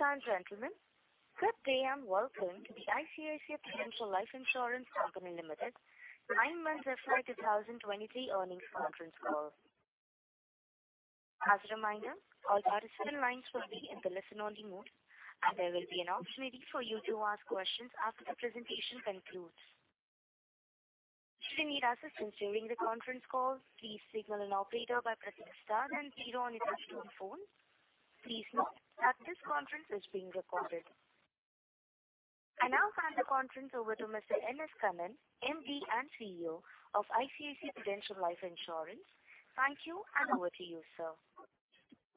Ladies and gentlemen, good day and welcome to the ICICI Prudential Life Insurance Company Limited nine months FY 2023 earnings conference call. As a reminder, all participant lines will be in the listen-only mode, and there will be an opportunity for you to ask questions after the presentation concludes. If you need assistance during the conference call, please signal an operator by pressing star zero on your telephone. Please note that this conference is being recorded. I now hand the conference over to Mr. N.S. Kannan, MD and CEO of ICICI Prudential Life Insurance. Thank you, and over to you, sir.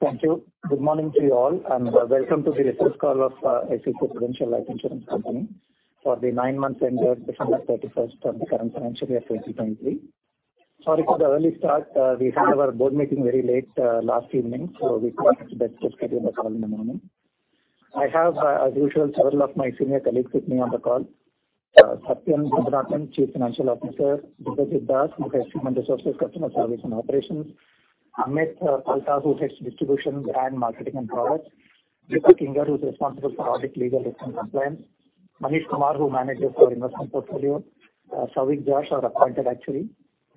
Thank you. Good morning to you all, and welcome to the first call of ICICI Prudential Life Insurance Company for the nine months ended December 31st of the current financial year, 2023. Sorry for the early start. We had our board meeting very late last evening, so we thought it's best to schedule the call in the morning. I have, as usual, several of my senior colleagues with me on the call. Satyan Jambunathan, Chief Financial Officer. Judhajit Das, who heads Human Resources, Customer Service, and Operations. Amit Palta, who heads Distribution, Brand, Marketing, and Products. Deepak Kinger, who's responsible for Audit, Legal, Risk, and Compliance. Manish Kumar, who manages our investment portfolio. Souvik Jash, our Appointed Actuary.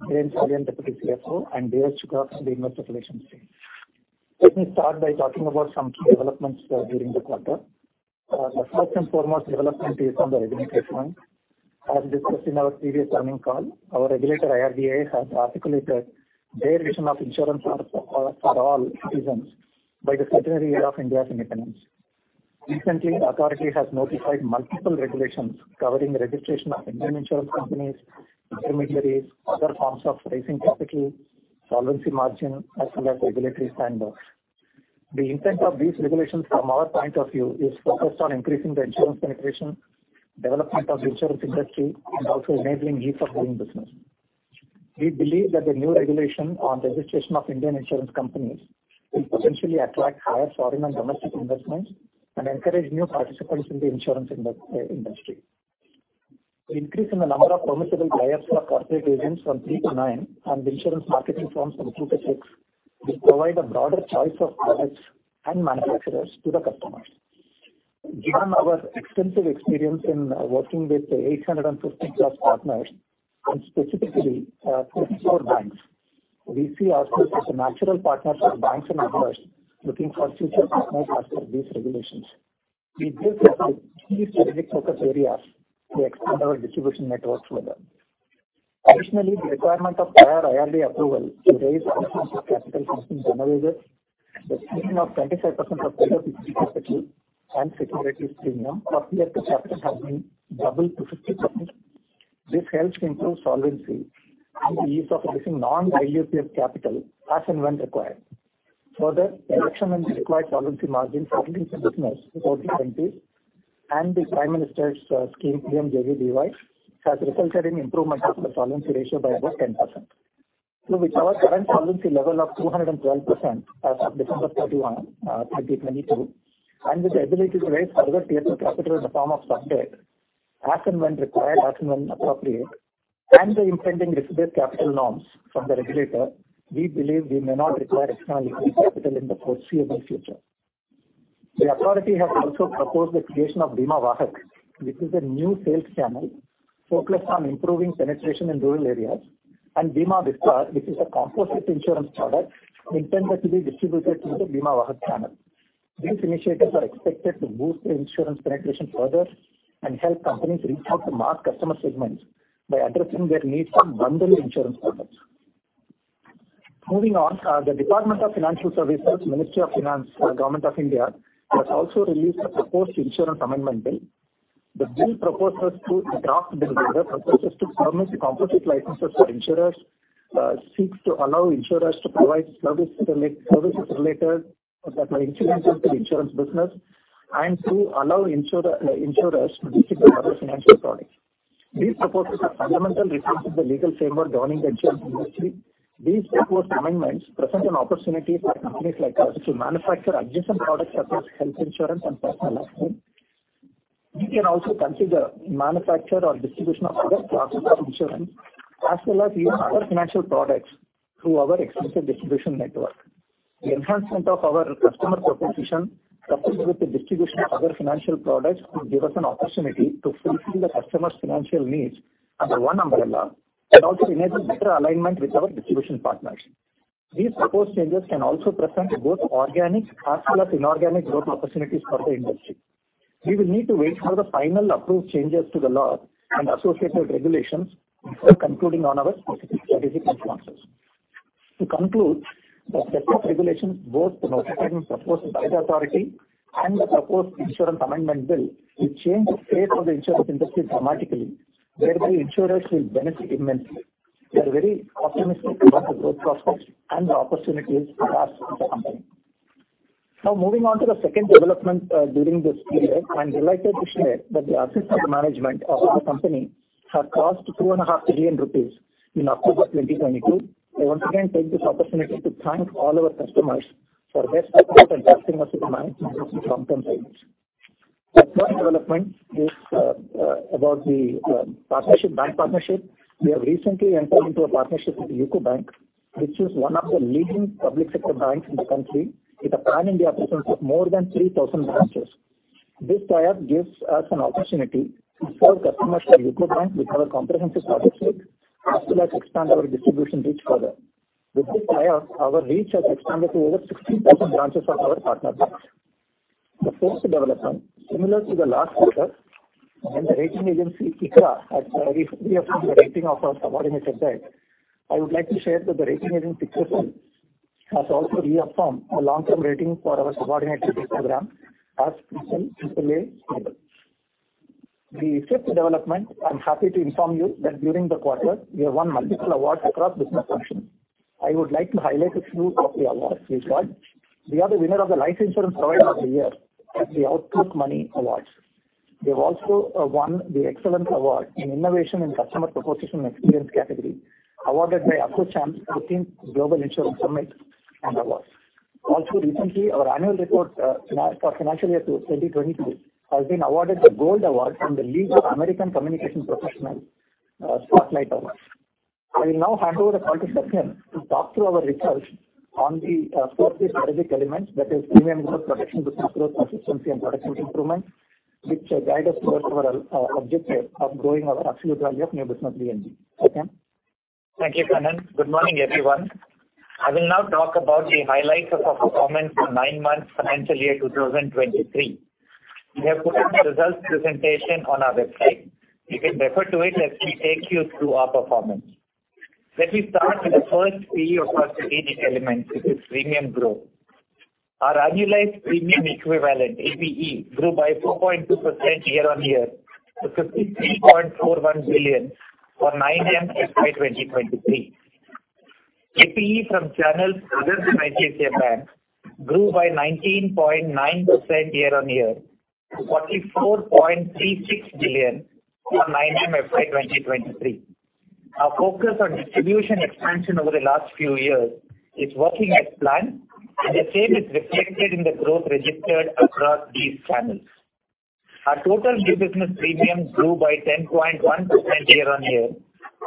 Dhiren Salian, Deputy CFO, and DS Chugh from the Investor Relations team. Let me start by talking about some key developments during the quarter. The first and foremost development is on the regulatory front. As discussed in our previous earning call, our regulator, IRDAI, has articulated their vision of insurance for all citizens by the centenary year of India's independence. Recently, authority has notified multiple regulations covering registration of Indian insurance companies, intermediaries, other forms of raising capital, solvency margin, as well as regulatory sandbox. The intent of these regulations from our point of view is focused on increasing the insurance penetration, development of insurance industry, and also enabling ease of doing business. We believe that the new regulation on registration of Indian insurance companies will potentially attract higher foreign and domestic investments and encourage new participants in the insurance industry. Increase in the number of permissible players for corporate agents from 3 to 9 and the insurance marketing firms from 2 to 6 will provide a broader choice of products and manufacturers to the customers. Given our extensive experience in working with 850 plus partners and specifically, 24 banks, we see ourselves as a natural partner for banks and others looking for future partners as per these regulations. We believe that the key strategic focus areas to expand our distribution network further. Additionally, the requirement of prior IRDA approval to raise additional capital has been eliminated. The ceiling of 25% of paid-up equity capital and securities premium for tier two capital has been doubled to 50%. This helps improve solvency and the ease of raising uncertain as and when required. Further, reduction in the required solvency margin for business in 40 countries and the Prime Minister's scheme, PMJJBY, has resulted in improvement of the solvency ratio by about 10%. With our current solvency level of 212% as of December 31, 2022, and with the ability to raise further tier two capital in the form of sub-debt as and when required, as and when appropriate, and the impending distributed capital norms from the regulator, we believe we may North require external equity capital in the foreseeable future. The authority has also proposed the creation of Bima Vahak, which is a new sales channel focused on improving penetration in rural areas, and Bima Vistaar, which is a composite insurance product intended to be distributed through the Bima Vahak channel. These initiatives are expected to boost the insurance penetration further and help companies reach out to mass customer segments by addressing their needs for bundled insurance products. Moving on, the Department of Financial Services, Ministry of Finance, Government of India, has also released a proposed insurance amendment bill. The draft bill further proposes to permit composite licenses for insurers, seeks to allow insurers to provide services related or that are incidental to insurance business, and to allow insurers to distribute other financial products. These proposals are fundamental reforms in the legal framework governing the insurance industry. These proposed amendments present an opportunity for companies like us to manufacture adjacent products such as health insurance and personal accident. We can also consider manufacture or distribution of other classes of insurance, as well as even other financial products through our extensive distribution network. The enhancement of our customer proposition, coupled with the distribution of other financial products, will give us an opportunity to fulfill the customer's financial needs under one umbrella and also enable better alignment with our distribution partners. These proposed changes can also present both organic as well as inorganic growth opportunities for the industry. We will need to wait for the final approved changes to the law and associated regulations before concluding on our specific strategic responses. To conclude, the set of regulations both notified and proposed by the authority and the proposed Insurance Amendment Bill will change the fate of the insurance industry dramatically, whereby insurers will benefit immensely. We are very optimistic about the growth prospects and the opportunities for us as a company. Now moving on to the second development, during this period, I'm delighted to share that the assets under management of our company have crossed two and a half trillion INR in October 2022. I once again take this opportunity to thank all our customers for their support in trusting us with the management of their long-term savings. The first development is about the bank partnership. We have recently entered into a partnership with UCO Bank, which is one of the leading public sector banks in the country, with a pan-India presence of more than 3,000 branches. This tie-up gives us an opportunity to serve customers of UCO Bank with our comprehensive product suite, as well as expand our distribution reach further. With this tie-up, our reach has expanded to over 16,000 branches of our partner banks. The fourth development, similar to the last quarter, the rating agency ICRA has reaffirmed the rating of our subordinated debt. I would like to share that the rating agency CARE has also reaffirmed our long-term rating for our subordinated debt program as stable. The fifth development, I'm happy to inform you that during the quarter we have won multiple awards across business functions. I would like to highlight a few of the awards we've got. We are the winner of the Life Insurance Provider of the Year at the Outlook Money Awards. We have also won the Excellence Award in Innovation in Customer Proposition and Experience category, awarded by 13th Global Insurance Summit and AwardsRecently, our annual report for financial year 2022 has been awarded the Gold Award from the League of American Communications Professionals Spotlight Awards. I will now hand over the call to Satyan to talk through our results on the four key strategic elements, that is premium growth, protection business growth, persistency and product mix improvement, which guide us towards our objective of growing our absolute value of new business VNB. Satyan? Thank you, Kannan. Good morning, everyone. I will now talk about the highlights of our performance for nine months, financial year 2023. We have put up the results presentation on our website. You can refer to it as we take you through our performance. Let me start with the first P of our strategic elements, which is premium growth. Our annualized premium equivalent, APE, grew by 4.2% year-on-year to INR 53.41 billion for 9 MFY 2023. APE from channels other than ICICI Bank grew by 19.9% year-on-year to INR 44.36 billion for 9 MFY 2023. Our focus on distribution expansion over the last few years is working as planned, the same is reflected in the growth registered across these channels. Our total new business premiums grew by 10.1% year-on-year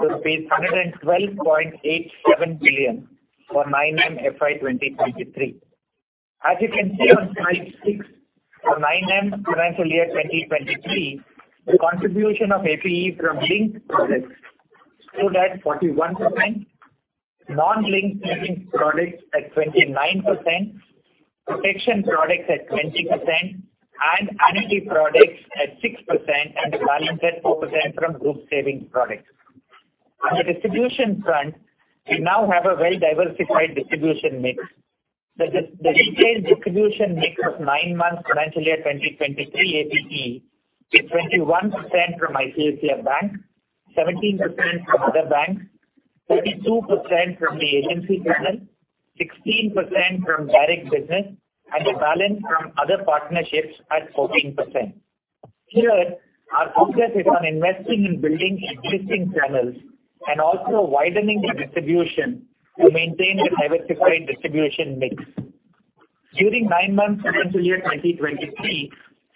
to INR 112.87 billion for 9MFY2023. As you can see on slide six, for 9M financial year 2023, the contribution of APE from linked products stood at 41%, non-linked savings products at 29%, protection products at 20%, and annuity products at 6%, and the balance at 4% from group savings products. On the distribution front, we now have a well-diversified distribution mix. The detailed distribution mix of 9 months financial year 2023 APE is 21% from ICICI Bank, 17% from other banks, 32% from the agency business, 16% from direct business, and the balance from other partnerships at 14%. Here, our focus is on investing in building existing channels and also widening the distribution to maintain a diversified distribution mix. During nine months financial year 2023,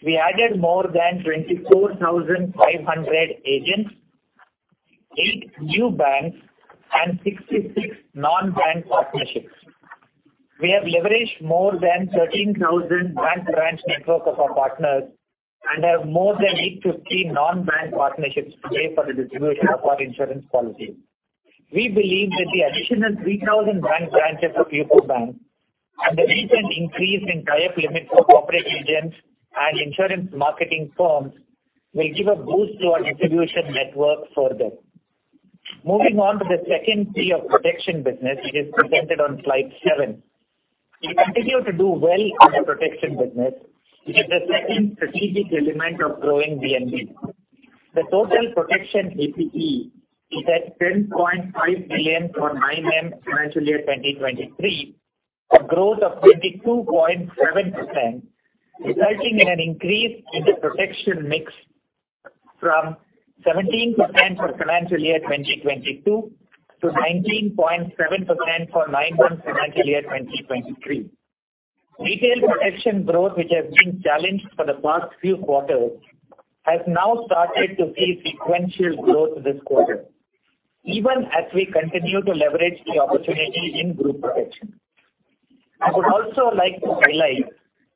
we added more than 24,500 agents, eight new banks and 66 non-bank partnerships. We have leveraged more than 13,000 bank branch networks of our partners and have more than 850 non-bank partnerships today for the distribution of our insurance policies. We believe that the additional 3,000 bank branches of UCO Bank and the recent increase in tie-up limits for corporate agents and insurance marketing firms will give a boost to our distribution network further. Moving on to the second P of protection business, it is presented on slide seven. We continue to do well in the protection business, which is the second strategic element of growing VNB. The total protection APE is at 10.5 billion for nine months financial year 2023, a growth of 22.7%, resulting in an increase in the protection mix from 17% for financial year 2022 to 19.7% for 9 months financial year 2023. Retail protection growth, which has been challenged for the past few quarters, has now started to see sequential growth this quarter, even as we continue to leverage the opportunity in group protection. I would also like to highlight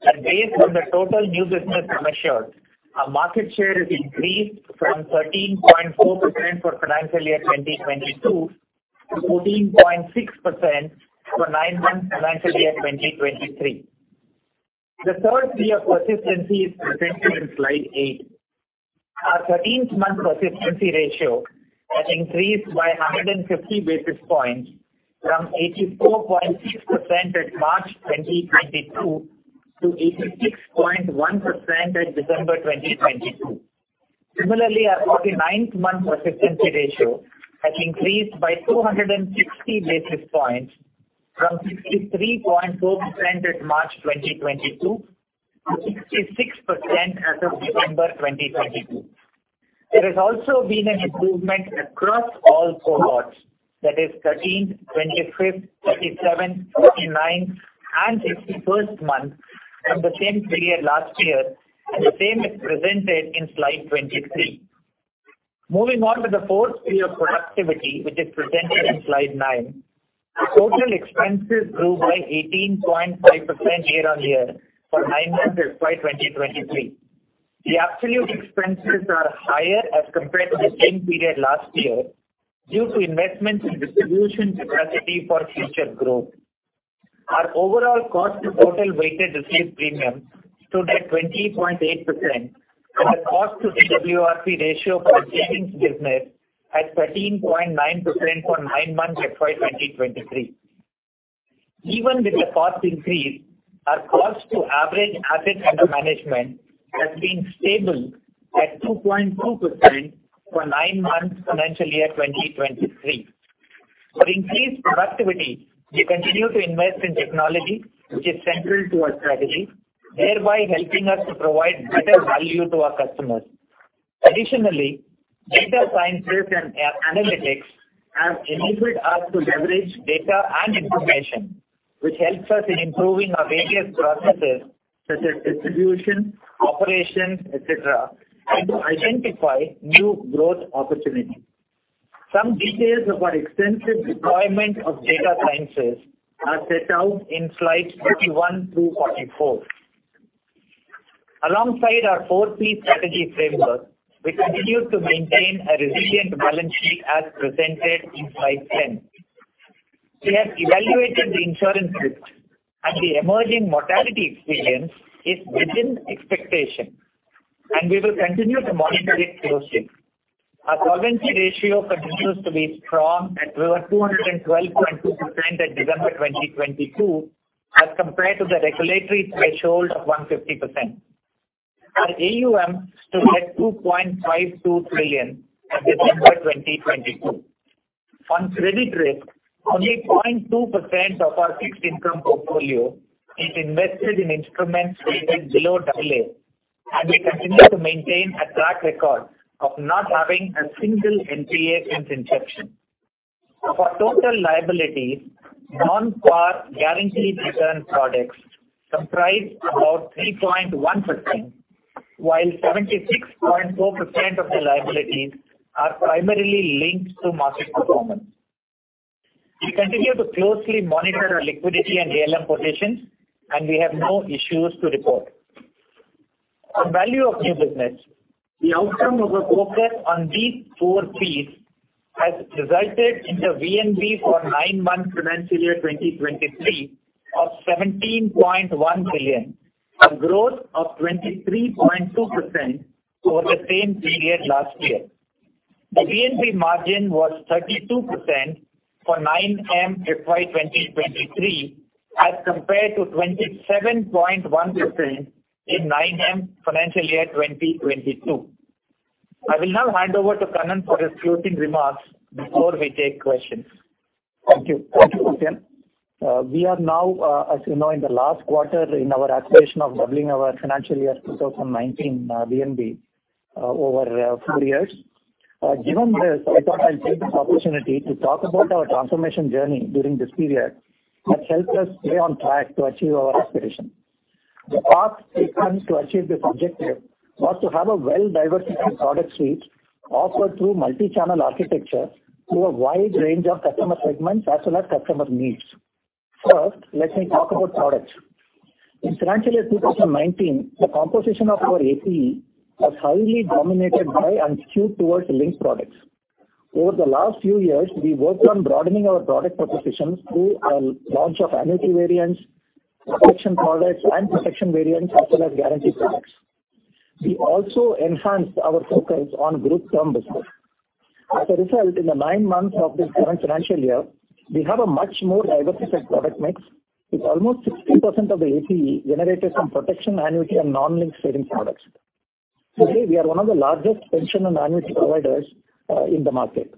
that based on the total new business measured, our market share has increased from 13.4% for financial year 2022 to 14.6% for 9 months financial year 2023. The third P of persistency is presented in slide eight. Our 13th month persistency ratio has increased by 150 basis points from 84.6% at March 2022 to 86.1% at December 2022. Similarly, our 49th month persistency ratio has increased by 260 basis points from 63.4% at March 2022 to 66% as of December 2022. There has also been an improvement across all cohorts. That is 13th, 25th, 37th, 39th, and 51st month from the same period last year, and the same is presented in slide 23. Moving on to the fourth P of productivity, which is presented in slide 9. Total expenses grew by 18.5% year-on-year for 9 months of FY 2023. The absolute expenses are higher as compared to the same period last year due to investments in distribution capacity for future growth. Our overall cost to total weighted received premium stood at 20.8%, and the cost to DWRP ratio for the savings business at 13.9% for nine months at FY 2023. Even with the cost increase, our cost to average assets under management has been stable at 2.2% for nine months financial year 2023. For increased productivity, we continue to invest in technology, which is central to our strategy, thereby helping us to provide better value to our customers. Additionally, data sciences and analytics have enabled us to leverage data and information, which helps us in improving our various processes such as distribution, operations, et cetera, and to identify new growth opportunities. Some details of our extensive deployment of data sciences are set out in slides 41 through 44. Alongside our 4 P strategy framework, we continue to maintain a resilient balance sheet as presented in slide 10. We have evaluated the insurance risk. The emerging mortality experience is within expectation, and we will continue to monitor it closely. Our solvency ratio continues to be strong at over 212.2% at December 2022, as compared to the regulatory threshold of 150%. Our AUM stood at 2.52 trillion at December 2022. On credit risk, only 0.2% of our fixed income portfolio is invested in instruments rated below AA, and we continue to maintain a track record of not having a single NPA since inception. For total liabilities, non-par guaranteed return products comprise about 3.1%, while 76.4% of the liabilities are primarily linked to market performance. We continue to closely monitor our liquidity and ALM positions, and we have no issues to report. The value of new business, the outcome of our focus on these 4 Ps has resulted in the VNB for 9 months financial year 2023 of 17.1 billion, a growth of 23.2% over the same period last year. The VNB margin was 32% for 9M FY 2023 as compared to 27.1% in 9M financial year 2022. I will now hand over to Kannan for his closing remarks before we take questions. Thank you. Thank you, Satyan. We are now, as you know, in the last quarter in our aspiration of doubling our financial year 2019 VNB over 4 years. Given this, I thought I'll take this opportunity to talk about our transformation journey during this period that's helped us stay on track to achieve our aspiration. The path we took to achieve this objective was to have a well-diversified product suite offered through multi-channel architecture to a wide range of customer segments as well as customer needs. First, let me talk about products. In financial year 2019, the composition of our APE was highly dominated by and skewed towards linked products. Over the last few years, we worked on broadening our product propositions through our launch of annuity variants, protection products and protection variants as well as guarantee products. We also enhanced our focus on group term business. As a result, in the nine months of this current financial year, we have a much more diversified product mix, with almost 16% of the APE generated from protection, annuity and non-linked savings products. Today, we are one of the largest pension and annuity providers in the market.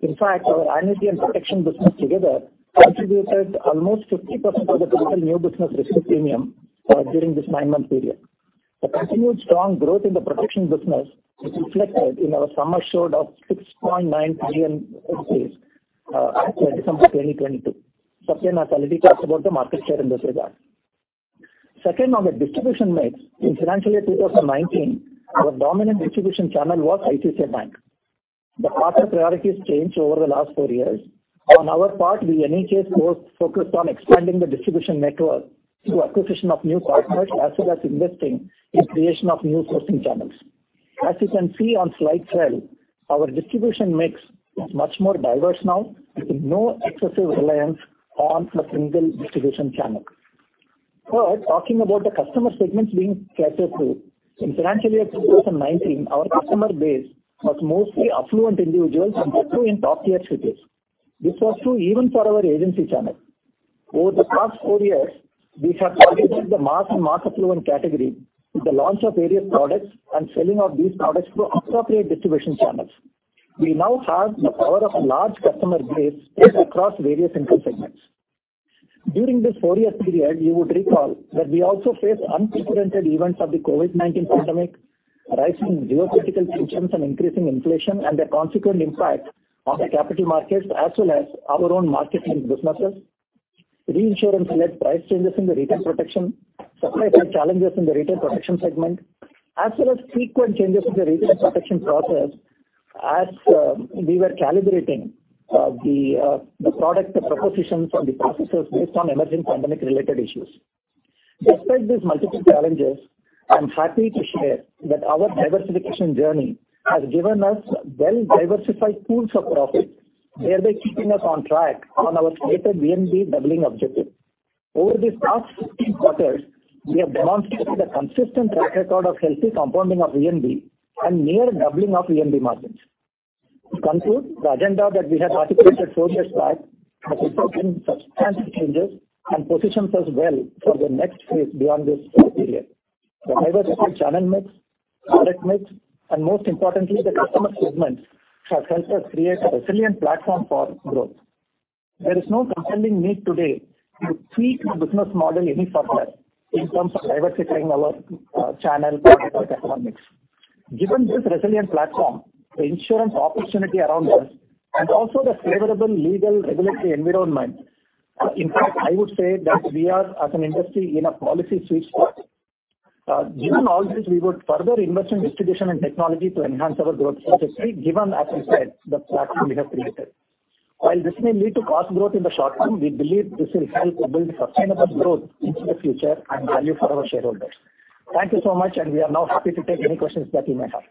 In fact, our annuity and protection business together contributed almost 50% of the total new business ratio premium during this nine-month period. The continued strong growth in the protection business is reflected in our sum assured of 6.9 billion rupees at December 2022. Satyan has already talked about the market share in this regard. Second, on the distribution mix, in financial year 2019, our dominant distribution channel was ICICI Bank. The partner priorities changed over the last four years. On our part, we, NHAS, focused on expanding the distribution network through acquisition of new partners as well as investing in creation of new sourcing channels. As you can see on slide 12, our distribution mix is much more diverse now, with no excessive reliance on a single distribution channel. Talking about the customer segments being catered to. In financial year 2019, our customer base was mostly affluent individuals from metro and top-tier cities. This was true even for our agency channel. Over the past four years, we have targeted the mass and mass affluent category with the launch of various products and selling of these products through appropriate distribution channels. We now have the power of a large customer base spread across various income segments. During this 4-year period, you would recall that we also faced unprecedented events of the COVID-19 pandemic, rising geopolitical tensions and increasing inflation and their consequent impact on the capital markets as well as our own markets and businesses. Reinsurance-led price changes in the retail protection, supply chain challenges in the retail protection segment, as well as frequent changes in the retail protection process as we were calibrating the product propositions or the processes based on emerging pandemic-related issues. Despite these multiple challenges, I'm happy to share that our diversification journey has given us well-diversified pools of profits, thereby keeping us on track on our stated VNB doubling objective. Over these last 15 quarters, we have demonstrated a consistent track record of healthy compounding of VNB and near doubling of VNB margins. To conclude, the agenda that we had articulated four years back has undergone substantial changes and positions us well for the next phase beyond this period. The diversified channel mix, product mix, and most importantly, the customer segments have helped us create a resilient platform for growth. There is no compelling need today to tweak our business model any further in terms of diversifying our channel or economics. Given this resilient platform, the insurance opportunity around us and also the favorable legal regulatory environment, in fact, I would say that we are, as an industry, in a policy sweet spot. Given all this, we would further invest in distribution and technology to enhance our growth trajectory, given, as we said, the platform we have created. While this may lead to cost growth in the short term, we believe this will help to build sustainable growth into the future and value for our shareholders. Thank you so much, and we are now happy to take any questions that you may have.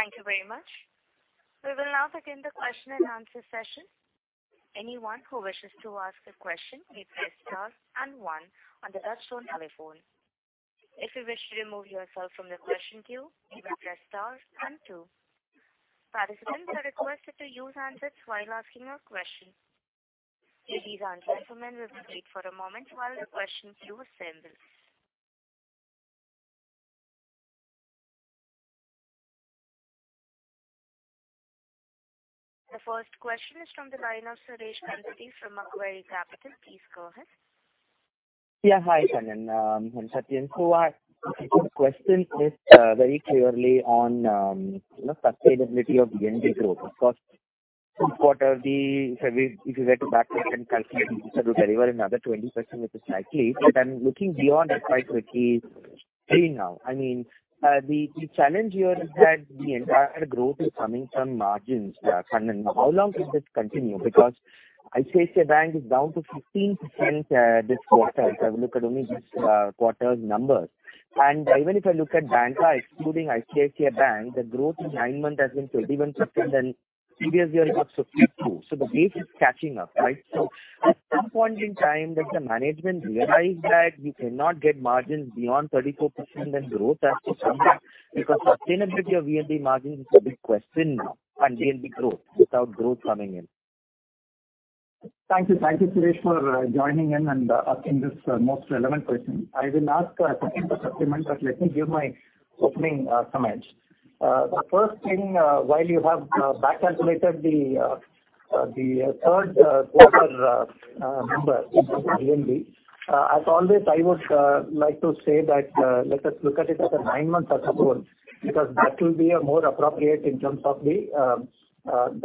Thank you very much. We will now begin the question-and-answer session. Anyone who wishes to ask a question, you press star and 1 on the touchtone telephone. If you wish to remove yourself from the question queue, you may press stars and two. Participants are requested to use handsets while asking your question. Ladies and gentlemen, we'll wait for a moment while the question queue assembles. The first question is from the line of Suresh Ganapathy from Macquarie Capital. Please go ahead. Yeah, hi, Kannan, and Satyan. The question is very clearly on, you know, sustainability of VNB growth. Of course, this quarter, if you were to back then calculate, you said you deliver another 20% with the cycles. I'm looking beyond that quite quickly now. I mean, the challenge here is that the entire growth is coming from margins, Kannan. How long does this continue? Because ICICI Bank is down to 15%, this quarter, if I look at only this quarter's numbers. Even if I look at Banks, excluding ICICI Bank, the growth in 9 months has been 31% and previous year it was 52%. The base is catching up, right? At some point in time, does the management realize that we cannot get margins beyond 34%, then growth has to come back because sustainability of VNB margin is a big question now and VNB growth without growth coming in. Thank you. Thank you, Suresh, for joining in and asking this most relevant question. I will ask Satyan to supplement. Let me give my opening comments. The first thing, while you have back calculated the third quarter number in terms of VNB, as always, I would like to say that let us look at it as a nine-month as of whole because that will be more appropriate in terms of the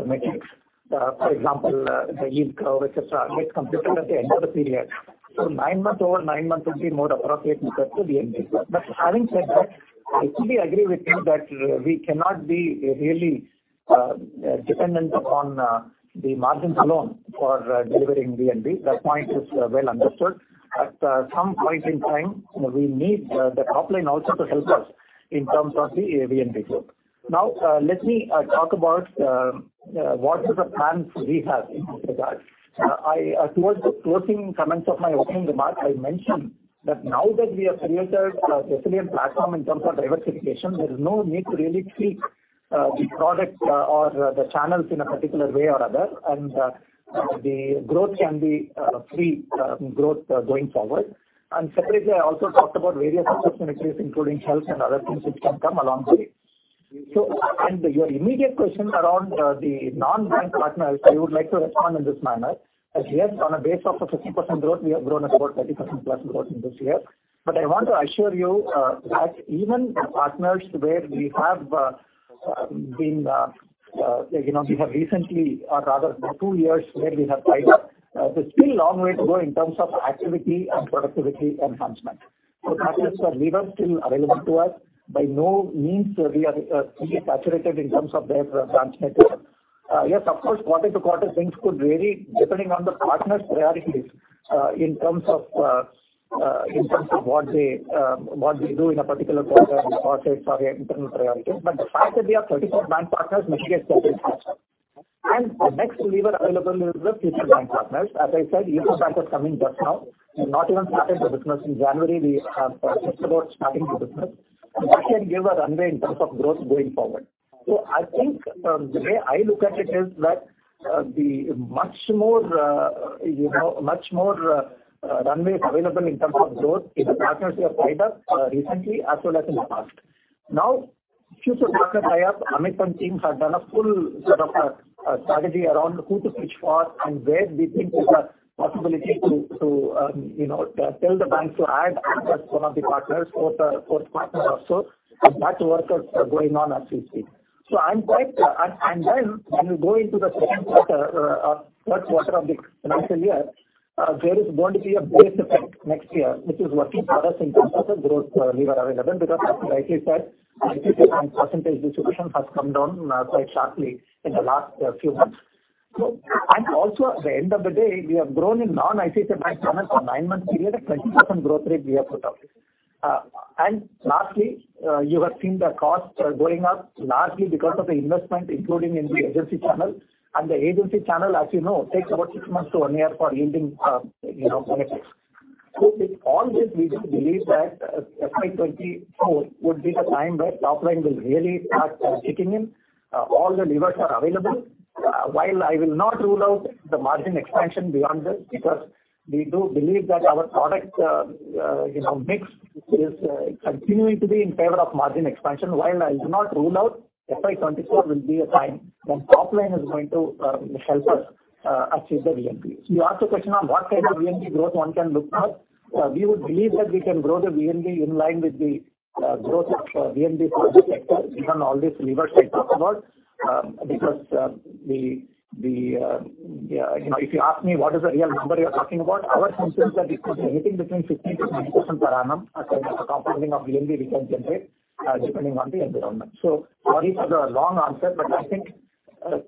metrics. For example, the yield growth, et cetera, get completed at the end of the period. Nine months, over nine months would be more appropriate in terms of VNB growth. Having said that, I fully agree with you that, we cannot be really, dependent upon, the margins alone for delivering VNB. That point is, well understood. At, some point in time, we need, the top line also to help us in terms of the, VNB growth. Let me, talk about, what are the plans we have in that regard. Towards the closing comments of my opening remarks, I mentioned that now that we have created a resilient platform in terms of diversification, there is no need to really tweak, the product, or the channels in a particular way or other. The growth can be, free, growth, going forward. Separately, I also talked about various opportunities, including health and other things which can come along the way. Your immediate question around the non-bank partners, I would like to respond in this manner. As yet, on a base of a 50% growth, we have grown at about 30% plus growth in this year. I want to assure you that even the partners where we have been, you know, we have recently or rather for two years where we have tied up, there's still long way to go in terms of activity and productivity enhancement. Partners lever still available to us. By no means we are fully saturated in terms of their branch network. Yes, of course, quarter-to-quarter things could vary depending on the partners' priorities, in terms of what they do in a particular quarter or say, sorry, internal priority. The fact that we have 34 bank partners mitigates that risk. The next lever available is the future bank partners. As I said, Yes Bank is coming just now. We've not even started the business. In January, we have just about starting the business. That can give a runway in terms of growth going forward. I think, the way I look at it is that, the much more, you know, much more, runway is available in terms of growth in the partners we have tied up, recently as well as in the past. Now-Future market tie-ups, Amit and team have done a full sort of strategy around who to pitch for and where we think is a possibility to, you know, tell the bank to add as one of the partners, fourth partner also and that work is going on as we speak. I'm quite. When you go into the second quarter, first quarter of the financial year, there is going to be a base effect next year, which is working for us in terms of the growth levers available because as you rightly said, ICICI Bank percentage distribution has come down quite sharply in the last few months. And also at the end of the day, we have grown in non ICICI Bank channels for 9 months period at 20% growth rate we have put out. Lastly, you have seen the costs going up largely because of the investment including in the agency channel and the agency channel, as you know, takes about 6 months to 1 year for yielding, you know, benefits. With all this we do believe that FY24 would be the time where top line will really start kicking in, all the levers are available. While I will not rule out the margin expansion beyond this because we do believe that our product, you know, mix is continuing to be in favor of margin expansion. While I will not rule out FY 2024 will be a time when top line is going to help us achieve the VNB. You asked a question on what kind of VNB growth one can look for. We would believe that we can grow the VNB in line with the growth of VNB product itself given all these levers I talked about, because the, you know, if you ask me what is the real number you're talking about, our sense is that it could be anything between 15%-20% per annum as a compounding of VNB we can generate, depending on the environment. Sorry for the long answer, but I think,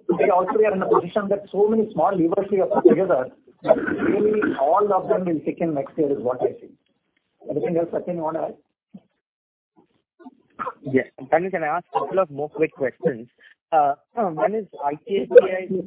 today also we are in a position that so many small levers we have put together that really all of them will kick in next year is what I think. Anything else Sachin you want to add? Yes. Kannan, can I ask couple of more quick questions? Sure. One is ICICI.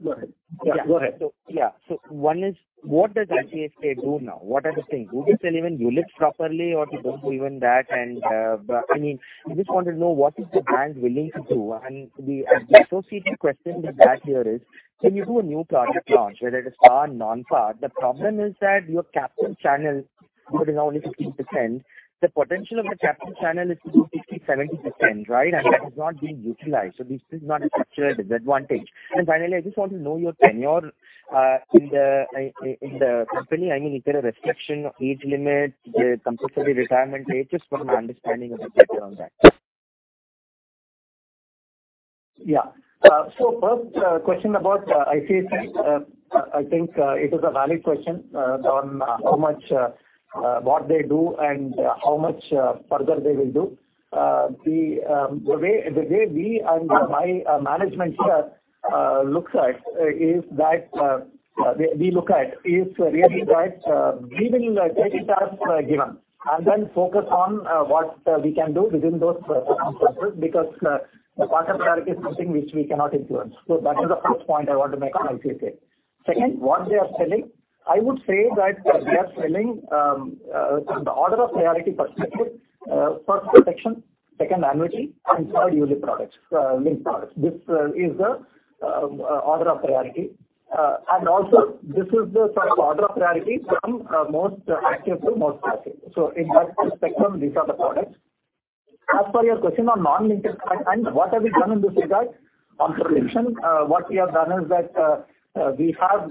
Go ahead. Go ahead. What does ICICI do now? What are the things? Do they sell even ULIPs properly or they don't do even that? I mean, I just wanted to know what is the bank willing to do? The associated question with that here is when you do a new product launch, whether it is par, non-par, the problem is that your captive channel which is only 15%, the potential of the captive channel is to do 60%-70%, right? That is not being utilized. This is not a structural disadvantage. Finally, I just want to know your tenure in the company. I mean, is there a restriction of age limit, compulsory retirement age? Just want an understanding of the picture on that. First, question about ICICI. I think it is a valid question on how much what they do and how much further they will do. The way we and my management here, looks at, is that, we look at is really that, leaving credit cards for a given and then focus on, what, we can do within those circumstances because, the partner priority is something which we cannot influence. That is the first point I want to make on ICICI. Second, what they are selling. I would say that they are selling, from the order of priority perspective, first protection, second annuity and third ULIP products, linked products. This is the order of priority. Also this is the sort of order of priority from most active to most passive. In that full spectrum these are the products. As per your question on non-linked and what have we done in this regard on production, what we have done is that we have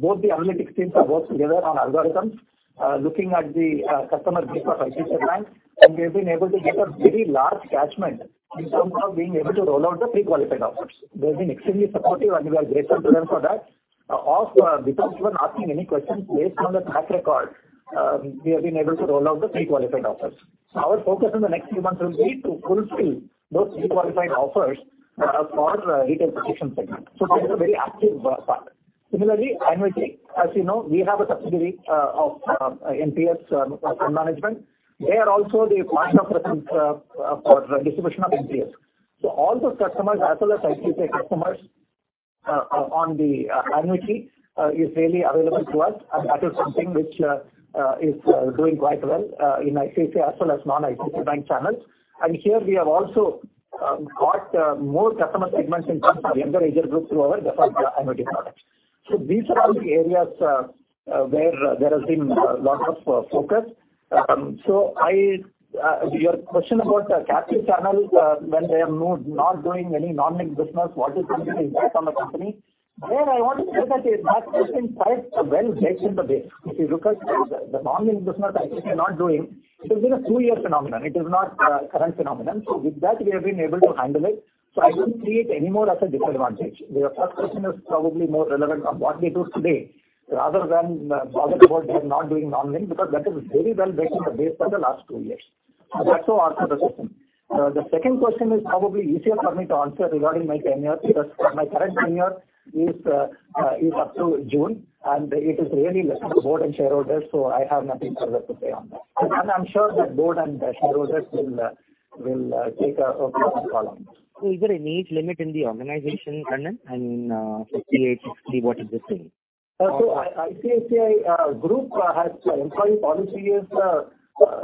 both the analytics teams are worked together on algorithms, looking at the customer base of ICICI Bank, and we have been able to get a very large catchment in terms of being able to roll out the pre-qualified offers. They've been extremely supportive, and we are grateful to them for that of, because we're not seeing any questions based on the track record, we have been able to roll out the pre-qualified offers. Our focus in the next few months will be to fulfill those pre-qualified offers for retail protection segment. This is a very active part. Similarly, annuity, as you know, we have a subsidiary of NPS fund management. They are also the partner presence for distribution of NPS. All those customers as well as ICICI customers on the annuity is really available to us and that is something which is doing quite well in ICICI as well as non-ICICI bank channels. And here we have also got more customer segments in terms of the younger age group through our different annuity products. These are all the areas where there has been lot of focus. Your question about the captive channels, when they are not doing any non-linked business, what is going to be impact on the company? There I want to say that it has been quite well baked in the base. If you look at the non-linked business ICICI are not doing, it has been a two-year phenomenon. It is not a current phenomenon. With that, we have been able to handle it. I wouldn't see it anymore as a disadvantage. Your first question is probably more relevant on what we do today rather than bother about them not doing non-linked because that is very well baked in the base for the last two years. That's how I'll answer the question. The second question is probably easier for me to answer regarding my tenure because my current tenure is up to June and it is really left to the board and shareholders so I have nothing further to say on that. I'm sure the board and shareholders will take a appropriate call on this. Is there an age limit in the organization, Kannan? I mean, 58, 60, what is the thing? ICICI group has employee policy is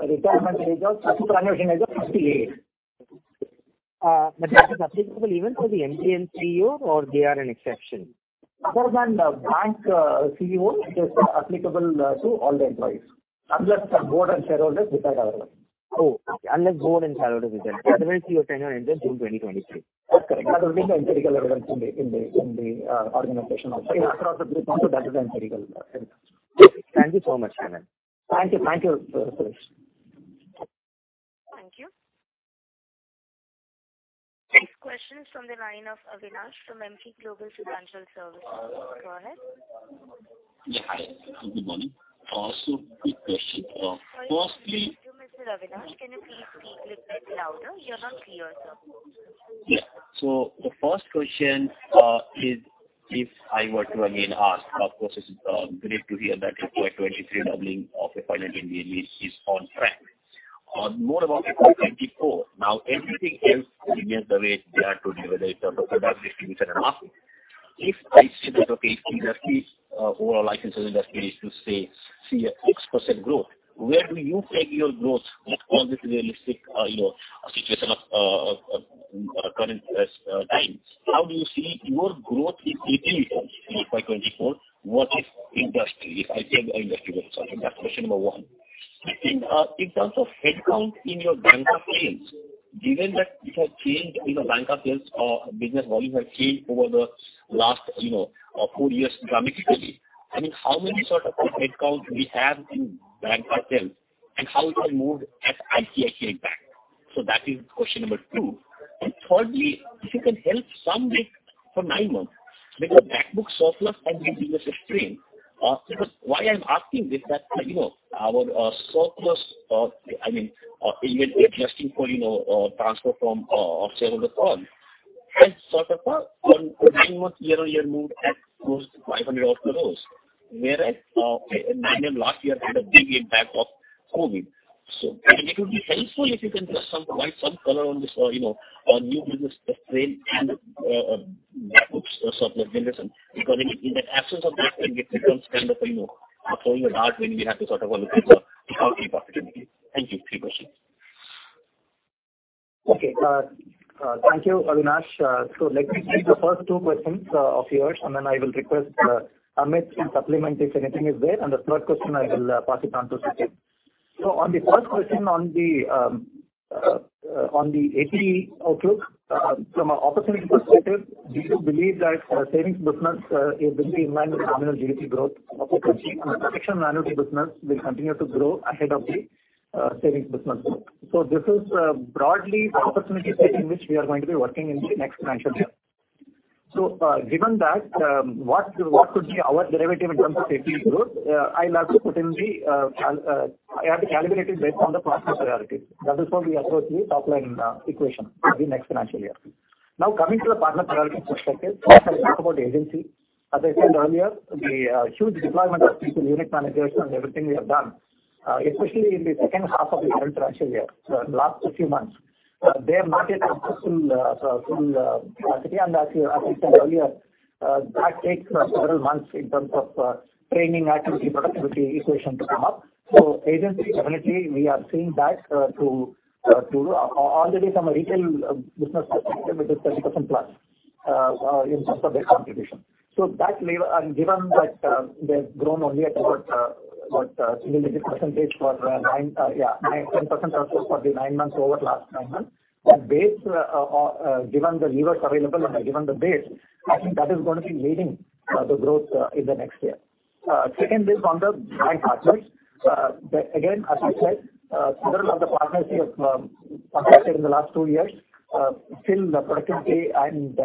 retirement age of superannuation age of 58. That is applicable even for the MGN CEO or they are an exception? Other than the bank, CEO, it is applicable to all the employees unless the board and shareholders decide otherwise. Unless board and shareholders decide. Otherwise, CEO tenure ends in June 2023. That's correct. That has been the empirical evidence in the organization also. Okay. That is the empirical evidence. Thank you so much, Kannan Thank you. Thank you, Suresh. Thank you. Next question is from the line of Avinash from Emkay Global Financial Services. Go ahead. Yeah, hi. Good morning. Quick question. Sorry to interrupt you, Mr. Avinash. Can you please speak little bit louder? You're not clear, sir. Yeah. The first question is if I were to again ask, of course, it's great to hear that your 23 doubling of appointment in the lease is on track. More about 24. Now, everything else remains the way they are today, whether it's product distribution and asking. If I see that the page is at least overall licenses industry is to say, see an X% growth, where do you peg your growth with all this realistic, you know, situation of current times? How do you see your growth in APE for 24 versus industry? If I said industry was something, that's question number one. Second, in terms of headcount in your banker sales, given that it has changed in the banker sales or business volume has changed over the last, you know, four years dramatically, I mean, how many sort of headcount we have in banker sales and how it has moved at ICICI Bank? That is question number two. Thirdly, if you can help some bit for nine months because back book surplus has been giving us a strain. Because why I'm asking this that, you know, our surplus of, I mean, even adjusting for, you know, transfer from of shareholders on has sort of a nine-month year-on-year move at close to 500 odd crore. Whereas, in nine last year had a big impact of COVID. It would be helpful if you can just some provide some color on this, you know, on new business strain and back books surplus business because in the absence of that then it becomes kind of, you know, throwing in dark when we have to sort of look into how deep opportunity. Thank you. Three questions. Okay. Thank you, Avinash. Let me take the first two questions of yours, and then I will request Amit to supplement if anything is there. The third question I will pass it on to Satyan. On the first question on the APE outlook, from an opportunity perspective, we do believe that savings business is going to be in line with the nominal GDP growth of the country and protection annuity business will continue to grow ahead of the savings business growth. This is broadly the opportunity space in which we are going to be working in the next financial year. Given that, what could be our derivative in terms of APE growth? I have to calibrate it based on the partner priority. That is how we approach the top line equation for the next financial year. Coming to the partner priority perspective, first I'll talk about agency. As I said earlier, the huge deployment of people, unit managers and everything we have done especially in the second half of the current financial year, so in the last few months. They have not yet come to full productivity. As you said earlier, that takes several months in terms of training activity, productivity equation to come up. Agency definitely we are seeing that through already some retail business perspective, it is 30% plus in terms of their contribution. That lever and given that, they've grown only at about, single-digit % for 9, yeah, 9, 10% also for the 9 months over last 9 months. That base, given the levers available and given the base, I think that is gonna be leading the growth in the next year. Second is on the bank partners. Again, as I said, several of the partners we have, contracted in the last 2 years, still the productivity and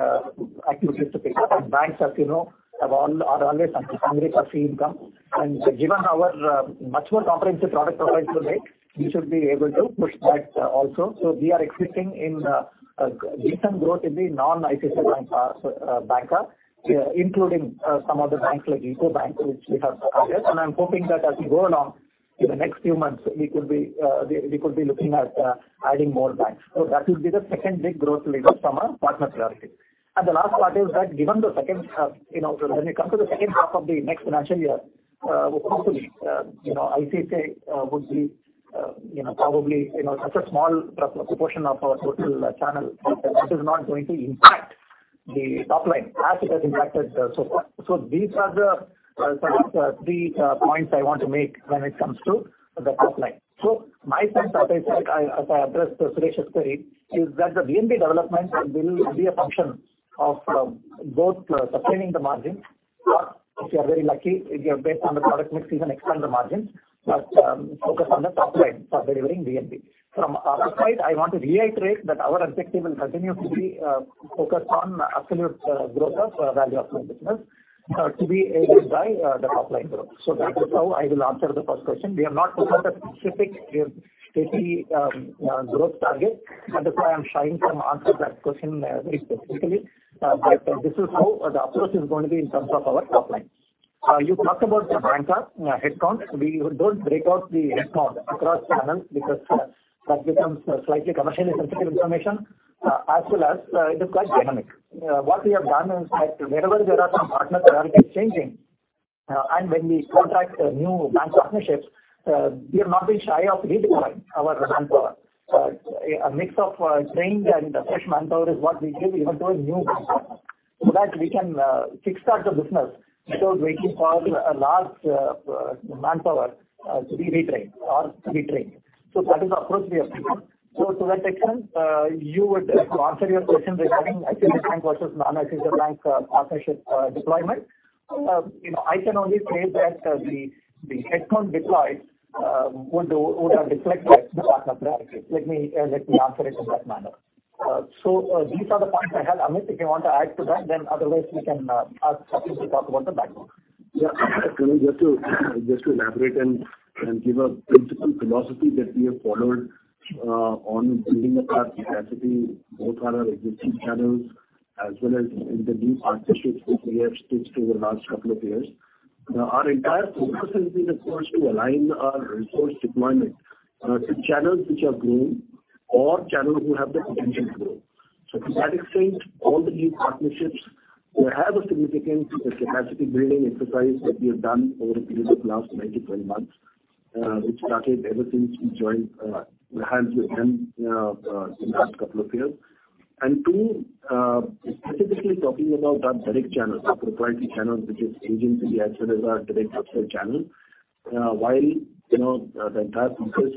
activity to pick up. Banks, as you know, are always hungry for fee income. Given our much more comprehensive product profile today, we should be able to push that also. We are expecting in decent growth in the non ICICI Bank banker, including some of the banks like Uco Bank, which we have added. I'm hoping that as we go along in the next few months, we could be looking at adding more banks. That will be the second big growth lever from a partner priority. The last part is that given the second half, you know, when we come to the second half of the next financial year, hopefully, you know, ICICI would be, you know, probably, you know, such a small proportion of our total channel that it is not going to impact the top line as it has impacted so far. These are the sort of three points I want to make when it comes to the top line. My sense, as I said, I, as I addressed Suresh's query, is that the VNB development will be a function of both sustaining the margin. If we are very lucky, if we are based on the product mix, even expand the margin, but focus on the top line for delivering VNB. From our side, I want to reiterate that our objective will continue to be focused on absolute growth of value of new business to be aided by the top line growth. That is how I will answer the first question. We have not put out a specific APE growth target, and that's why I'm shying from answer that question very specifically. This is how the approach is going to be in terms of our top line. You talked about the banker headcount. We don't break out the headcount across channels because that becomes slightly commercially sensitive information, as well as, it is quite dynamic. What we have done is that wherever there are some partner priorities changing. When we contract new bank partnerships, we have not been shy of redeploying our manpower. A mix of trained and fresh manpower is what we give even to a new bank, so that we can kick-start the business without waiting for a large manpower to be retrained or to be trained. That is the approach we have taken. To that extent, to answer your question regarding actual bank versus non-actual bank partnership deployment, you know, I can only say that the headcount deployed would have reflected the partner priority. Let me answer it in that manner. These are the points I have. Amit, if you want to add to that, then otherwise we can ask Sachin to talk about the back log. Yeah. Just to elaborate and give a principal philosophy that we have followed on building up our capacity, both our existing channels as well as in the new partnerships which we have stitched over the last couple of years. Our entire focus has been, of course, to align our resource deployment to channels which are growing or channels who have the potential to grow. To that extent, all the new partnerships will have a significant capacity building exercise that we have done over a period of last 9 to 12 months, which started ever since we joined hands with them the last couple of years. Two, specifically talking about our direct channels, our proprietary channels, which is agency as well as our direct upsell channel. While, you know, the entire focus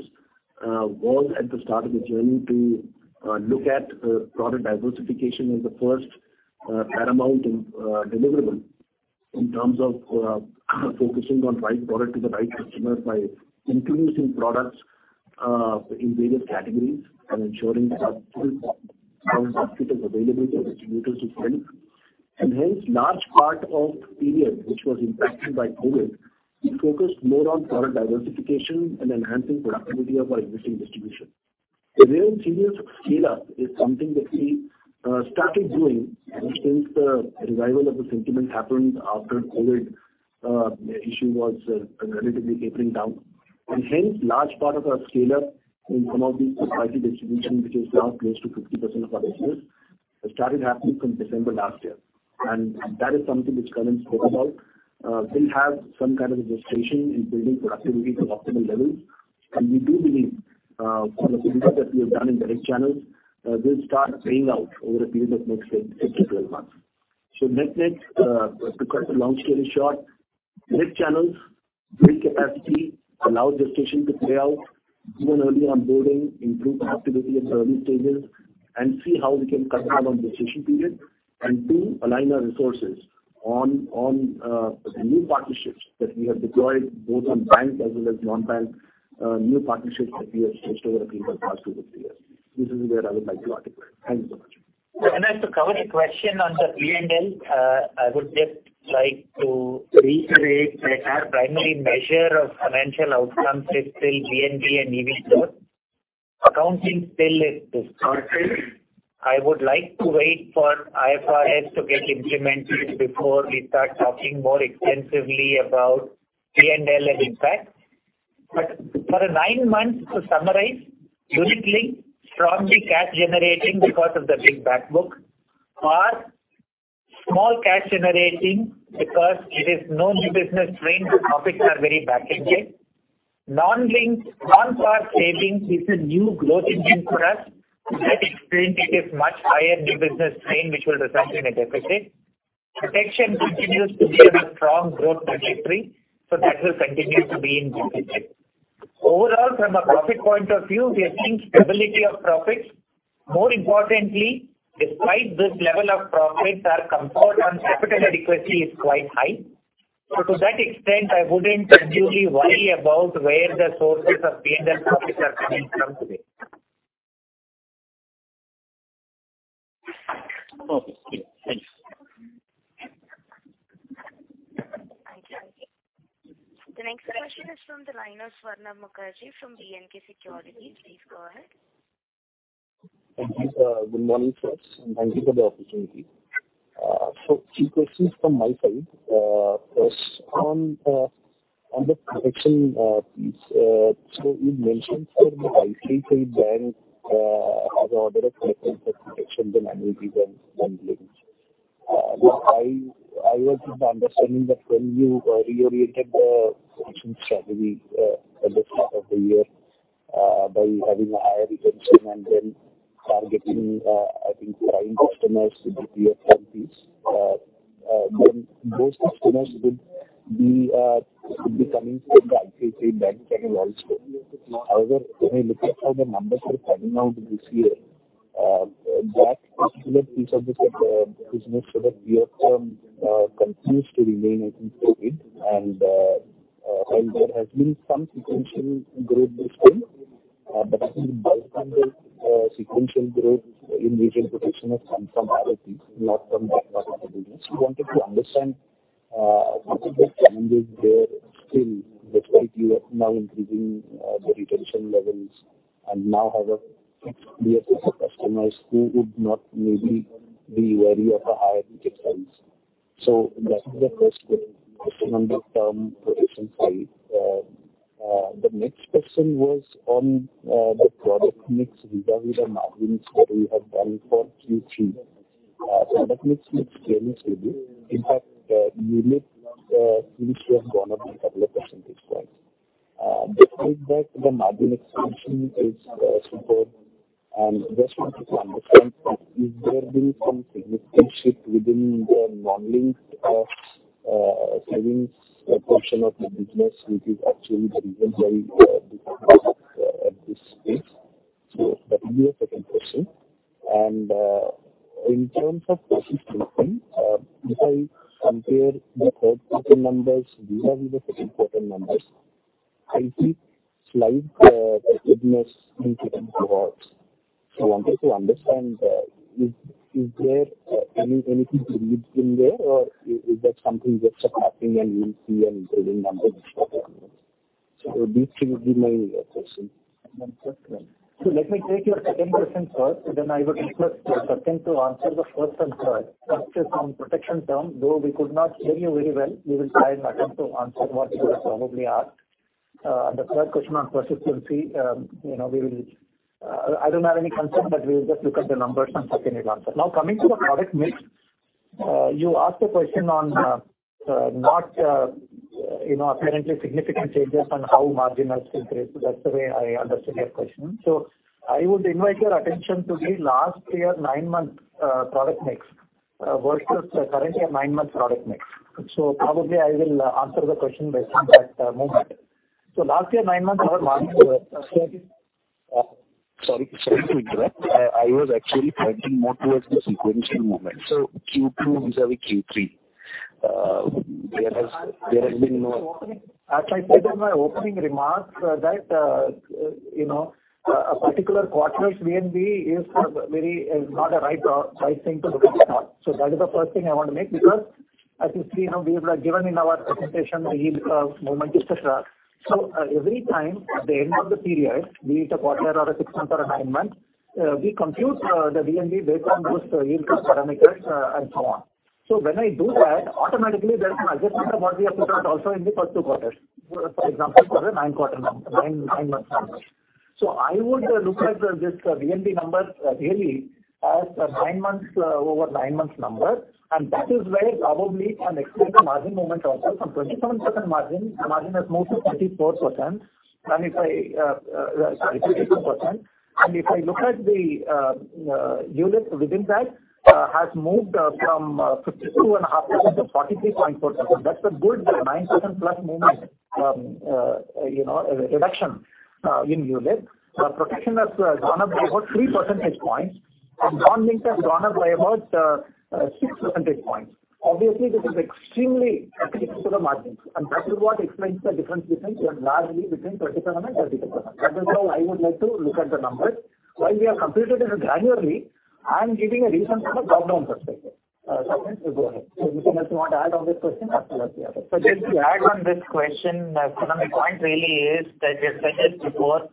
was at the start of the journey to look at product diversification as the first paramount and deliverable in terms of focusing on right product to the right customers by introducing products in various categories and ensuring that full found baskets available for distributors to sell. Large part of the period which was impacted by COVID, we focused more on product diversification and enhancing productivity of our existing distribution. A very serious scale-up is something that we started doing ever since the revival of the sentiment happened after COVID, issue was relatively tapering down. Large part of our scale-up in some of these proprietary distribution, which is now close to 50% of our business, has started happening from December last year. That is something which Kannan spoke about. We'll have some kind of a gestation in building productivity to optimal levels. We do believe some of the work that we have done in direct channels will start paying out over a period of next 6-12 months. Net-net, to cut a long story short, direct channels, build capacity, allow gestation to play out, even early onboarding, improve productivity at early stages, and see how we can cut down on decision period. Two, align our resources on the new partnerships that we have deployed both on bank as well as non-bank new partnerships that we have stitched over a period of last 2-3 years. This is where I would like to articulate. Thank you so much. As to cover the question on the P&L, I would just like to reiterate that our primary measure of financial outcomes is still GNB and EBITDA. Accounting still is distorted. I would like to wait for IFRS to get implemented before we start talking more extensively about P&L and impact. For nine months, to summarize, unit link, strongly cash generating because of the big back book or small cash generating because it is no new business strain, so profits are very back loaded. Non-link, non-PAR savings is a new growth engine for us. To that extent, it is much higher new business strain, which will result in a deficit. Protection continues to be on a strong growth trajectory, so that will continue to be in good shape. Overall, from a profit point of view, we are seeing stability of profits. More importantly, despite this level of profits, our comfort on capital adequacy is quite high. To that extent, I wouldn't unduly worry about where the sources of P&L profits are coming from today. Okay. Great. Thanks. Thank you. The next question is from the line of Swarnabha Mukherjee from B&K Securities. Please go ahead. Thank you, sir. Good morning, sirs, thank you for the opportunity. Few questions from my side. First on the protection, piece. You mentioned, sir, the ICICI Bank, as order of business that protects the annuities and links. I was of the understanding that when you reoriented the protection strategy at the start of the year by having a higher retention and then targeting I think prime customers with the BFF piece then those customers should be coming from the ICICI Bank channel also. However, when we look at how the numbers are coming out this year, that particular piece of the business for the near term, continues to remain, I think, muted. While there has been some sequential growth this time, but I think bulk of the sequential growth in regional protection has come from ROP, not from that part of the business. We wanted to understand what are the challenges there still, despite you are now increasing the retention levels and now have a fixed BFF customer who would not maybe be wary of a higher ticket size. That is the first question. Second, on the term protection side, the next question was on the product mix vis-à-vis the margins that we have done for Q3. Product mix looks fairly stable. In fact, unit seems to have gone up two percentage points. Despite that, the margin expansion is superb and just wanted to understand, is there been some significant shift within the non-linked savings portion of the business, which is actually the reason why this is at this stage? That will be a second question. In terms of persistency, if I compare the third quarter numbers vis-à-vis the second quarter numbers, I see slight weakness in premium growth. I wanted to understand, is there any, anything to read in there or is that something just happening and we'll see an improving number next quarter? These three will be my questions. Let me take your second question first, then I would request Sachin to answer the first and third. First is on protection term. Though we could not hear you very well, we will try and attempt to answer what you have probably asked. The third question on persistency, you know, we will... I don't have any concern, but we'll just look at the numbers and Sachin will answer. Now, coming to the product mix, you asked a question on, not, you know, apparently significant changes on how margin has increased. That's the way I understood your question. I would invite your attention to the last year nine-month product mix versus the current year nine-month product mix. Probably I will answer the question based on that movement. Last year nine months our margin. Sorry to interrupt. I was actually pointing more towards the sequential movement, so Q2 vis-à-vis Q3. There has been more- As I said in my opening remarks, you know, a particular quarter's VNB is not a right thing to look at all. That is the first thing I want to make because as you see now, we have given in our presentation the yield movement is such that so every time at the end of the period, be it a quarter or a or a nine month, we compute the VNB based on those yield curve parameters, and so on. When I do that, automatically there's an adjustment of what we have put out also in the first two quarters, for example, for the nine quarter number, nine-month numbers. I would look at this VNB number really as a nine-month, over nine months number. That is where probably I'm expecting the margin movement also from 27% margin, the margin has moved to 34%. Sorry, 32%. If I look at the units within that has moved from 52.5%-43.4%. That's a good 9% plus movement, you know, reduction in units. Our protection has gone up by about three percentage points and non-linked has gone up by about six percentage points. Obviously, this is extremely attractive to the margins. That is what explains the difference largely between 37% and 32%. That is how I would like to look at the numbers. While we have computed it annually, I'm giving a recent kind of top-down perspective. Sachin, go ahead. Anything else you want to add on this question? After that the other question. Just to add on this question, Kannan, the point really is that we have said it before,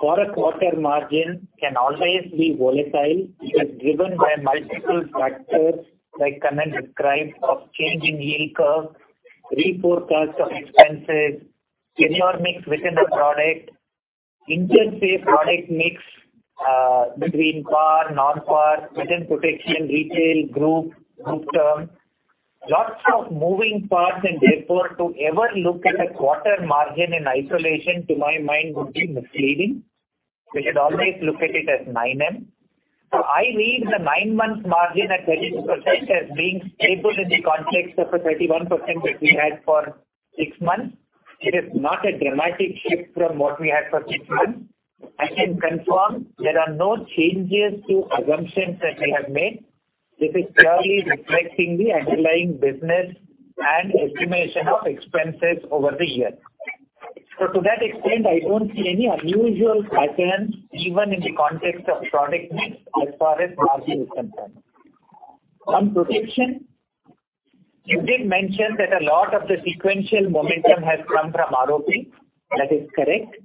for a quarter, margin can always be volatile. It is driven by multiple factors like Kannan described of changing yield curve, reforecast of expenses, senior mix within a product, inter-space product mix, between PAR, non-PAR, within protection, retail, group term. Lots of moving parts and therefore to ever look at a quarter margin in isolation to my mind would be misleading. We should always look at it as 9M. I read the nine-month margin at 32% as being stable in the context of the 31% that we had for six months. It is not a dramatic shift from what we had for six months. I can confirm there are no changes to assumptions that we have made. This is purely reflecting the underlying business and estimation of expenses over the year. To that extent, I don't see any unusual patterns even in the context of product mix as far as margin is concerned. On protection, you did mention that a lot of the sequential momentum has come from ROP. That is correct.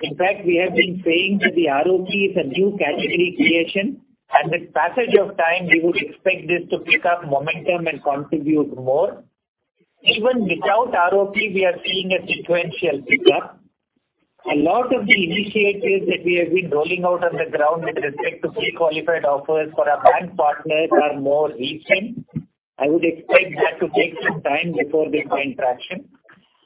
In fact, we have been saying that the ROP is a new category creation and with passage of time we would expect this to pick up momentum and contribute more. Even without ROP, we are seeing a sequential pickup. A lot of the initiatives that we have been rolling out on the ground with respect to pre-qualified offers for our bank partners are more recent. I would expect that to take some time before they find traction.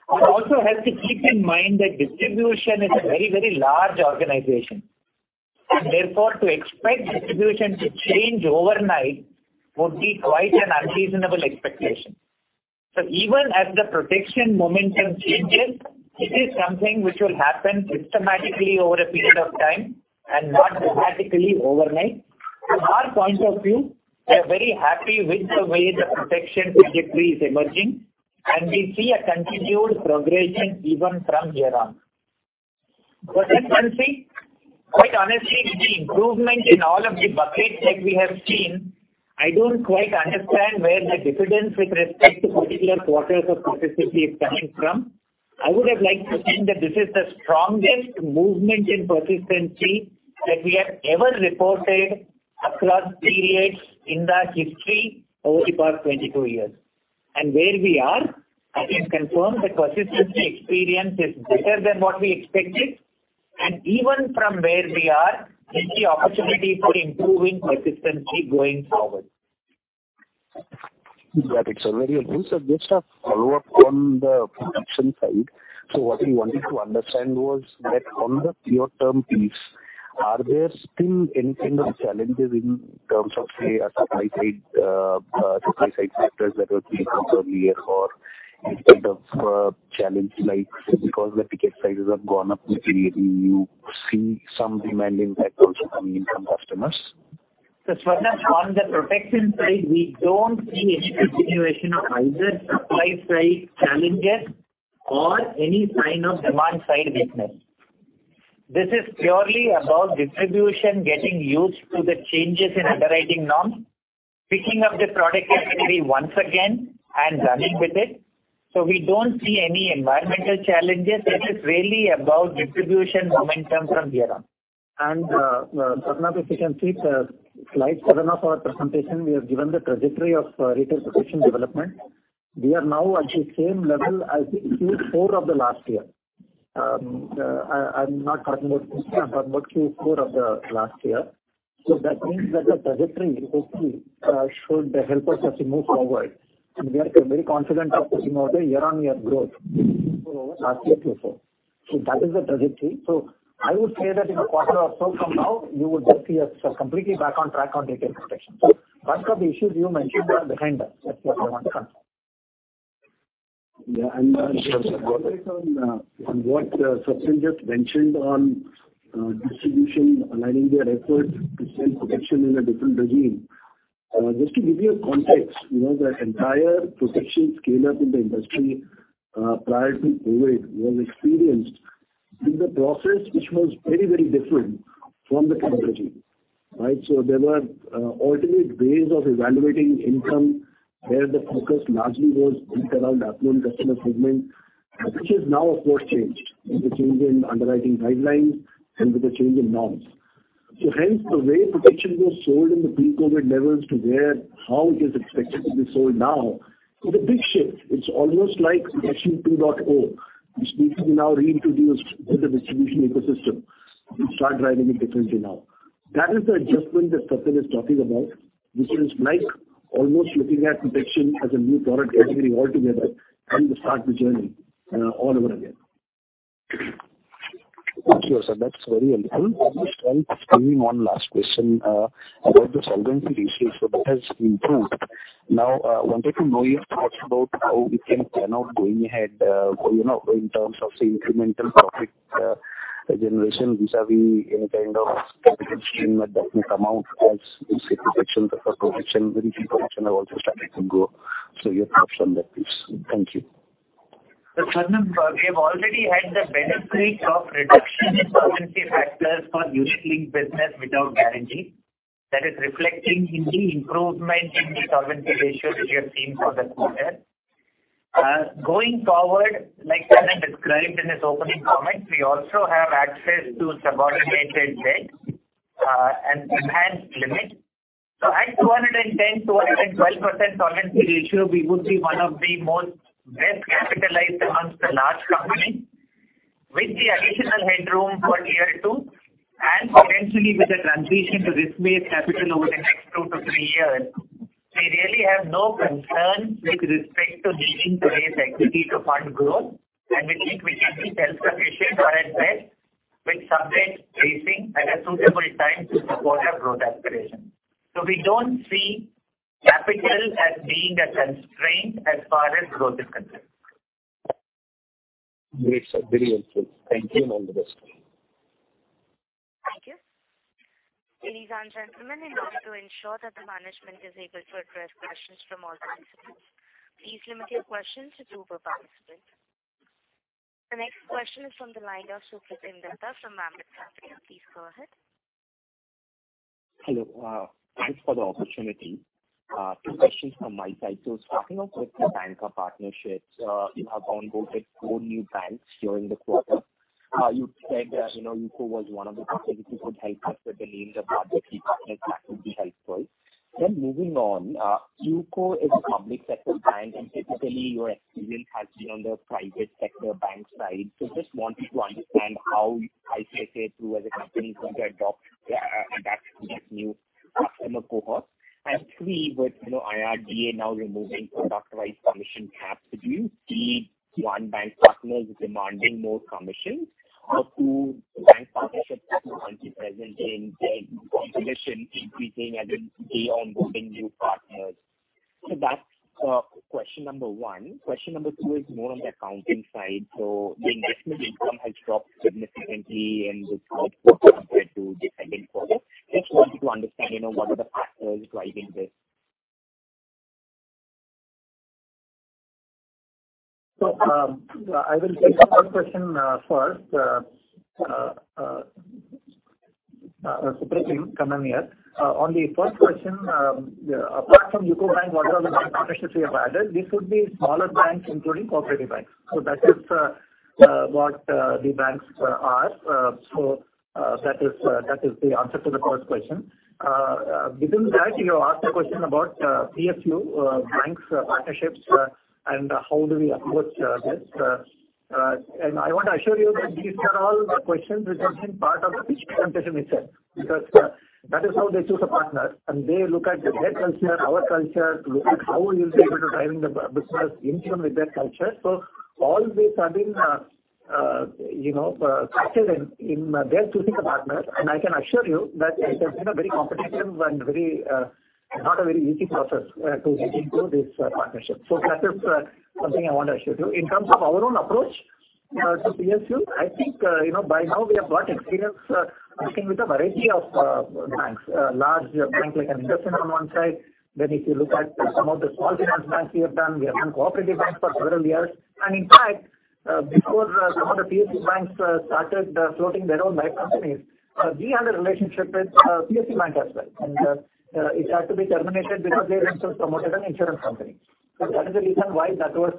One also has to keep in mind that distribution is a very, very large organization, and therefore to expect distribution to change overnight would be quite an unreasonable expectation. Even as the protection momentum changes, it is something which will happen systematically over a period of time and not dramatically overnight. From our point of view, we are very happy with the way the protection category is emerging, and we see a continued progression even from here on. Persistency, quite honestly, with the improvement in all of the buckets that we have seen, I don't quite understand where the difference with respect to particular quarters of persistency is coming from. I would have liked to think that this is the strongest movement in persistency that we have ever reported across periods in the history over the past 22 years. Where we are, I can confirm the persistency experience is better than what we expected. Even from where we are, we see opportunity for improving persistency going forward. Got it. Very good, sir. Just a follow-up on the protection side. What we wanted to understand was that on the pure term piece, are there still any kind of challenges in terms of, say, a supply side, supply side factors that were playing out earlier or any kind of challenge like because the ticket sizes have gone up materially, you see some demand impact also coming in from customers? Sanketh, on the protection side, we don't see any continuation of either supply side challenges or any sign of demand side weakness. This is purely about distribution getting used to the changes in underwriting norms, picking up the product category once again and running with it. We don't see any environmental challenges. This is really about distribution momentum from here on. Sanket if you can see the slide 7 of our presentation, we have given the trajectory of retail protection development. We are now at the same level as Q4 of the last year. I'm not talking about Q3, I'm talking about Q4 of the last year. That means that the trajectory hopefully should help us as we move forward. We're very confident of pushing out a year-on-year growth over last year Q4. That is the trajectory. I would say that in a quarter or so from now, you would just see us completely back on track on retail protection. Bulk of the issues you mentioned are behind us. That's what I want to confirm. Yeah. Just to elaborate on on what Sachin just mentioned on distribution aligning their efforts to sell protection in a different regime. Just to give you a context, you know, the entire protection scale-up in the industry prior to COVID was experienced with a process which was very, very different from the current regime, right? There were alternate ways of evaluating income, where the focus largely was built around affluent customer segment, which has now of course changed with the change in underwriting guidelines and with the change in norms. Hence, the way protection was sold in the pre-COVID levels to where how it is expected to be sold now is a big shift. It's almost like version 2.0, which needs to be now reintroduced in the distribution ecosystem and start driving it differently now. That is the adjustment that Sachin is talking about, which is like almost looking at protection as a new product category altogether and to start the journey, all over again. Thank you, sir. That's very helpful. Just I mean, one last question, about the solvency ratio that has improved. Now, wanted to know your thoughts about how we can plan out going ahead, you know, in terms of say, incremental profit, generation vis-à-vis any kind of capital stream or definite amount as we see protection have also started to grow. Your thoughts on that, please. Thank you. Sanketh, we have already had the benefit of reduction in solvency factors forULIP business without guarantee. That is reflecting in the improvement in the solvency ratio that you have seen for the quarter. Going forward, like Sanketh described in his opening comments, we also have access to subordinated debt and enhanced limit. At 210-212% solvency ratio, we would be one of the most best capitalized amongst the large companies with the additional headroom for year two and potentially with a transition to risk-based capital over the next 2-3 years. We really have no concerns with respect to needing to raise equity to fund growth, and we think we can be self-sufficient or excess with subject raising at a suitable time to support our growth aspirations. We don't see capital as being a constraint as far as growth is concerned. Great, sir. Very helpful. Thank you and all the best. Thank you. Ladies and gentlemen, in order to ensure that the management is able to address questions from all participants, please limit your questions to 2 per participant. The next question is from the line of Supriya Singhal from Ambit Capital. Please go ahead. Hello. Thanks for the opportunity. two questions from my side. Starting off with the banker partnerships, you have onboarded 4 new banks during the quarter. You said that, you know UCO was one of the prospective partners, but the names of larger key partners that would be helpful. Moving on, UCO is a public sector bank, and typically your experience has been on the private sector bank side. Just wanted to understand how ICICI Pru as a company is going to adopt, adapt to this new customer cohort. three, with, you know, IRDA now removing product-wise commission caps, do you see, one, bank partners demanding more commissions or two, bank partnerships becoming unprecedented in commission increasing as you stay onboarding new partners? That's, question number. Question number two is more on the accounting side. The investment income has dropped significantly in this quarter compared to the second quarter. Just wanted to understand, you know, what are the factors driving this? I will take the first question first. Supriya, N.S. Kannan here. On the first question, apart from UCO Bank, what are the bank partnerships we have added? These would be smaller banks, including cooperative banks. That is what the banks are. That is the answer to the first question. Within that, you have asked a question about PSU banks partnerships, and how do we approach this. And I want to assure you that these are all questions which have been part of the pitch competition itself, because that is how they choose a partner and they look at their culture, our culture, to look at how we'll be able to driving the business in tune with their culture. All these have been, you know, factored in their choosing the partner. I can assure you that it has been a very competitive and very not a very easy process to get into this partnership. That is something I want to assure you. In terms of our own approach to PSU, I think, you know, by now we have got experience working with a variety of banks, large bank like an IndusInd on one side. If you look at some of the small finance banks we have done, we have done cooperative banks for several years. In fact, before some of the PSU banks started floating their own life companies, we had a relationship with PSU bank as well. It had to be terminated because they themselves promoted an insurance company. That is the reason why that was,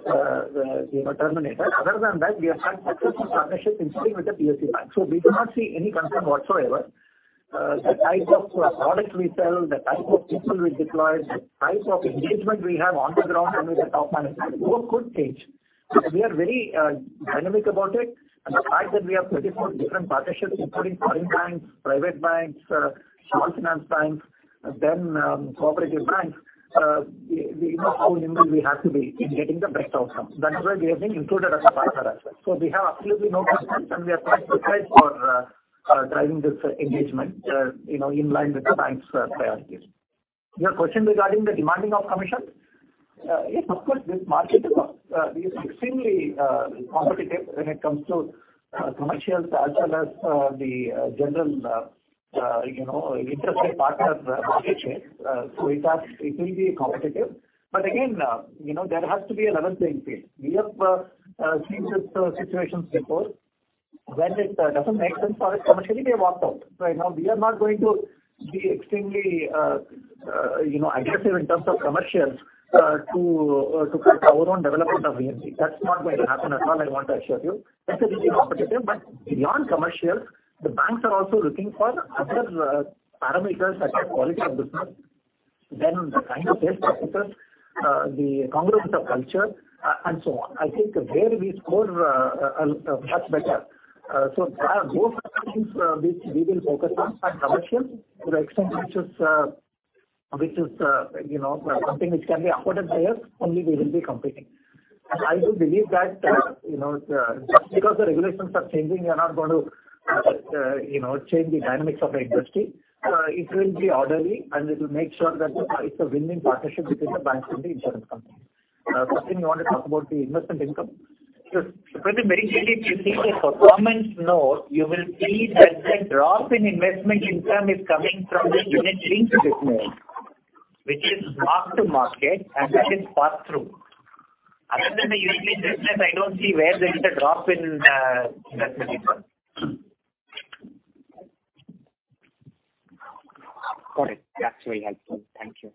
you know, terminated. Other than that, we have had successful partnerships, including with the PSU banks. We do not see any concern whatsoever. The type of products we sell, the type of people we deploy, the type of engagement we have on the ground and with the top management, those could change. We are very dynamic about it. The fact that we have 34 different partnerships, including foreign banks, private banks, small finance banks, cooperative banks, we know how nimble we have to be in getting the best outcome. That is why we have been included as a partner as well. We have absolutely no concerns, and we are quite prepared for driving this engagement, you know, in line with the bank's priorities. Your question regarding the demanding of commission. Yes, of course, this market is extremely competitive when it comes to commercials as well as the general, you know, interested partner market share. It will be competitive. Again, you know, there has to be a level playing field. We have seen such situations before when it doesn't make sense for us commercially, we have walked out. Right now, we are not going to be extremely, you know, aggressive in terms of commercials to cut our own development of VNB. That's not going to happen at all, I want to assure you. That's a really competitive but beyond commercials, the banks are also looking for other parameters such as quality of business, then the kind of sales practices, the congruence of culture, and so on. I think there we score much better. Those are the things which we will focus on and commercials to the extent which is, which is, you know, something which can be afforded by us, only we will be competing. I do believe that, you know, just because the regulations are changing, we are not going to, you know, change the dynamics of the industry. It will be orderly, and it will make sure that it's a win-win partnership between the banks and the insurance companies. Satyan, you want to talk about the investment income? Supriya Got it. That's very helpful. Thank you.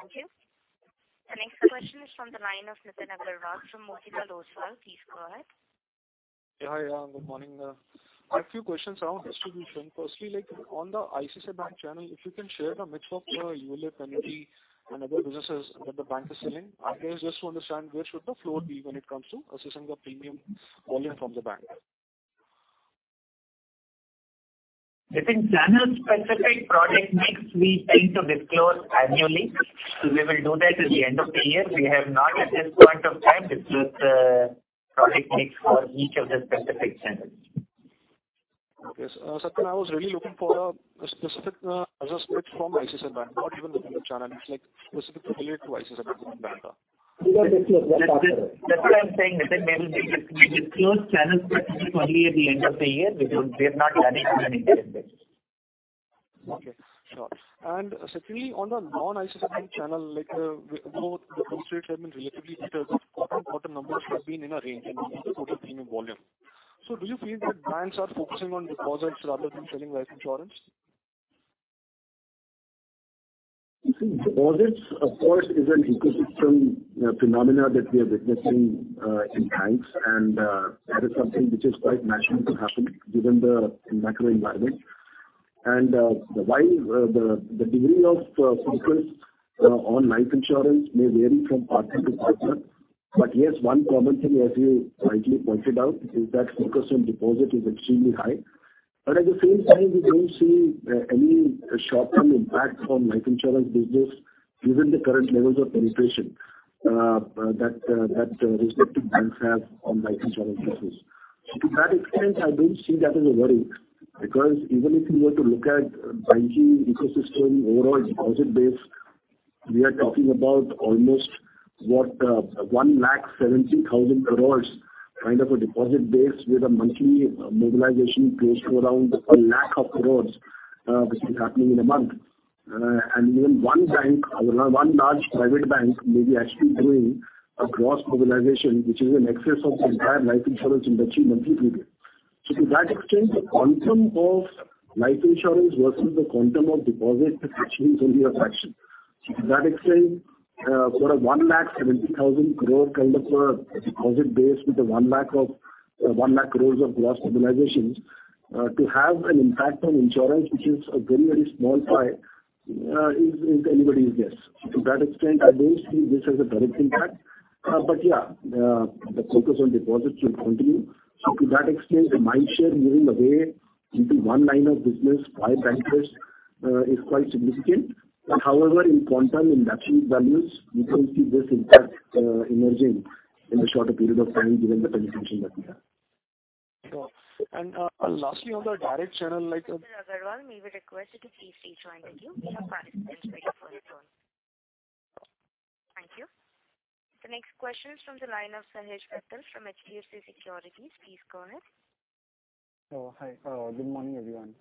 Thank you. The next question is from the line of Nitin Agarwal from Motilal Oswal. Please go ahead. Hi. Good morning. I have a few questions around distribution. Firstly, like on the ICICI Bank channel, if you can share the mix of ULIP, annuity and other businesses that the bank is selling. I guess just to understand where should the flow be when it comes to assessing the premium volume from the bank. I think channel specific product mix we tend to disclose annually. We will do that at the end of the year. We have not at this point of time disclosed product mix for each of the specific channels. Satyan, I was really looking for a specific split from ICICI Bank, not even the whole channel. It's like specific to ULIP to ICICI Bank. We don't disclose that, Satyan. That's what I'm saying, Nitin. We will disclose channel specific only at the end of the year because we have not done it even independently. Okay, sure. Satyan, on the non-ICICI Bank channel, like, both the first rate have been relatively better, quarter-on-quarter numbers have been in a range in terms of total premium volume. Do you feel that banks are focusing on deposits rather than selling life insurance? You see deposits, of course, is an ecosystem phenomena that we are witnessing in banks. That is something which is quite natural to happen given the macro environment. While the degree of focus on life insurance may vary from partner to partner. Yes, one common thing, as you rightly pointed out, is that focus on deposit is extremely high. At the same time, we don't see any short-term impact on life insurance business given the current levels of penetration that respective banks have on life insurance business. To that extent, I don't see that as a worry because even if you were to look at banking ecosystem overall deposit base, we are talking about almost what, 1,70,000 crores kind of a deposit base with a monthly mobilization close to around 1 lakh crores, which is happening in a month. Even one bank, or one large private bank may be actually doing a gross mobilization, which is in excess of the entire life insurance industry monthly premium. To that extent, the quantum of life insurance versus the quantum of deposits has changed only a fraction. To that extent, for a 1,70,000 crore kind of a deposit base with 1 lakh crore of gross mobilizations, to have an impact on insurance, which is a very, very small pie, is anybody's guess. To that extent, I don't see this as a direct impact. But yeah, the focus on deposits will continue. To that extent, the mind share moving away into one line of business by bankers, is quite significant. However, in quantum, in absolute values, we don't see this impact, emerging in the shorter period of time given the penetration that we have. lastly on the direct channel like. Mr. Agarwal, may we request you to please rejoin the queue. We have participants waiting for your turn. Thank you. The next question is from the line ofSahej Peter from HDFC Securities. Please go ahead. Hi. Good morning, everyone.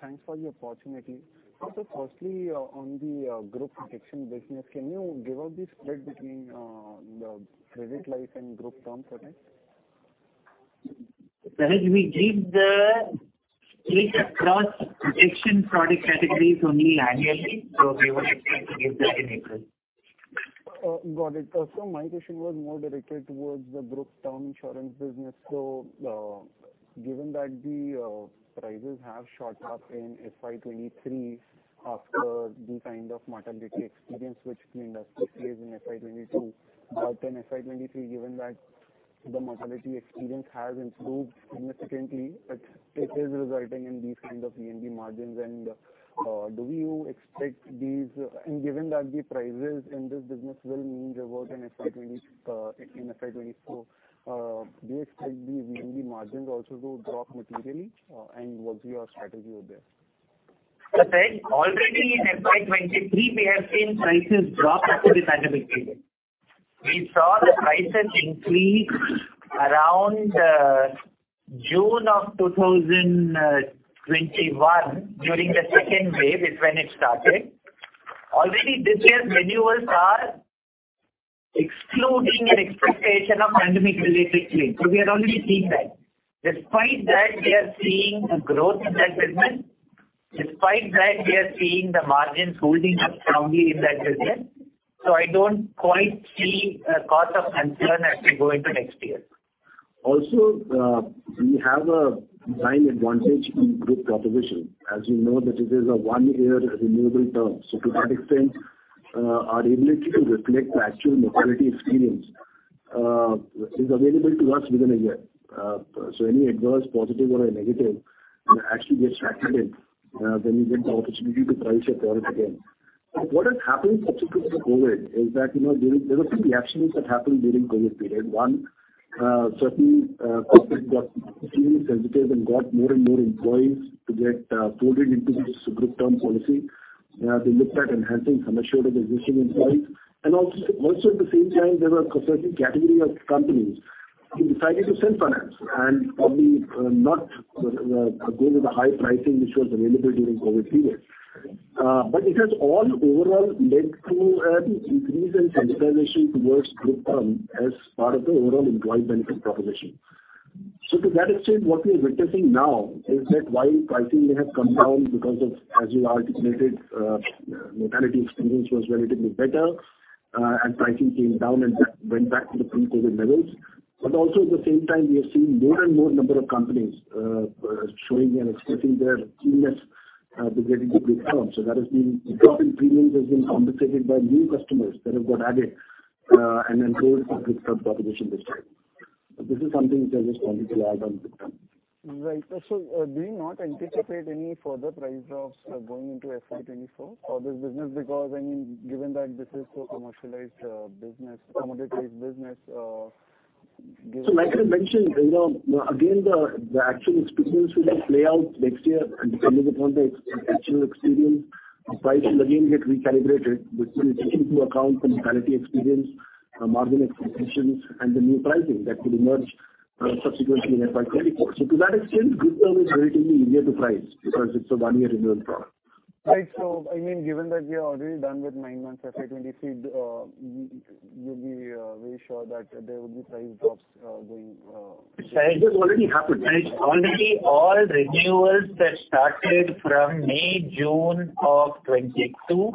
Thanks for the opportunity. Firstly, on the group protection business, can you give out the spread between the credit life and group term for that? SahejSajesh, we give the split across protection product categories only annually, so we would expect to give that in April. Got it. My question was more directed towards the group term insurance business. Given that the prices have shot up in FY23 after the kind of mortality experience which the industry faced in FY22, but in FY23, given that the mortality experience has improved significantly, it is resulting in these kind of VNB margins. Given that the prices in this business will mean revert in FY24, do you expect the VNB margins also to drop materially, and what's your strategy with this? Sahej already in FY 23 we have seen prices drop after the pandemic period. We saw the prices increase around June of 2021 during the second wave is when it started. Already this year's renewals are excluding an expectation of pandemic related claims. We are already seeing that. Despite that, we are seeing a growth in that segment. Despite that, we are seeing the margins holding up strongly in that segment. I don't quite see a cause of concern as we go into next year. We have a time advantage in group proposition. As you know that it is a one year renewable term. To that extent, our ability to reflect the actual mortality experience is available to us within a year. Any adverse, positive or a negative actually gets factored in when we get the opportunity to price our product again. What has happened subsequently with COVID is that, you know, there were three actions that happened during COVID period. One, certain companies got extremely sensitive and got more and more employees to get ported into this group term policy. They looked at enhancing some assured of existing employees. Also at the same time, there were a certain category of companies who decided to self-finance and probably not go with the high pricing which was available during COVID period. It has overall led to an increase in sensitization towards group term as part of the overall employee benefit proposition. To that extent, what we're witnessing now is that while pricing may have come down because of, as you articulated, mortality experience was relatively better, and pricing came down and went back to the pre-COVID levels. Also at the same time we are seeing more and more number of companies showing and expressing their keenness to get into group term. The drop in premiums has been compensated by new customers that have got added and enrolled to group term proposition this time. This is something I just wanted to add on group term. Right. Do you not anticipate any further price drops going into FY 2024 for this business? I mean, given that this is so commercialized business, commoditized business, Like I mentioned, you know, again, the actual experience will play out next year and depending upon the actual experience, our price will again get recalibrated, which will take into account the mortality experience, margin expectations and the new pricing that could emerge, subsequently in FY 2024. To that extent, group term is relatively easier to price because it's a 1 year renewal product. Right. I mean, given that we are already done with 9 months FY23, you'll be very sure that there will be price drops going. Sajesh- It has already happened, Sajesh. Already all renewals that started from May, June of 2022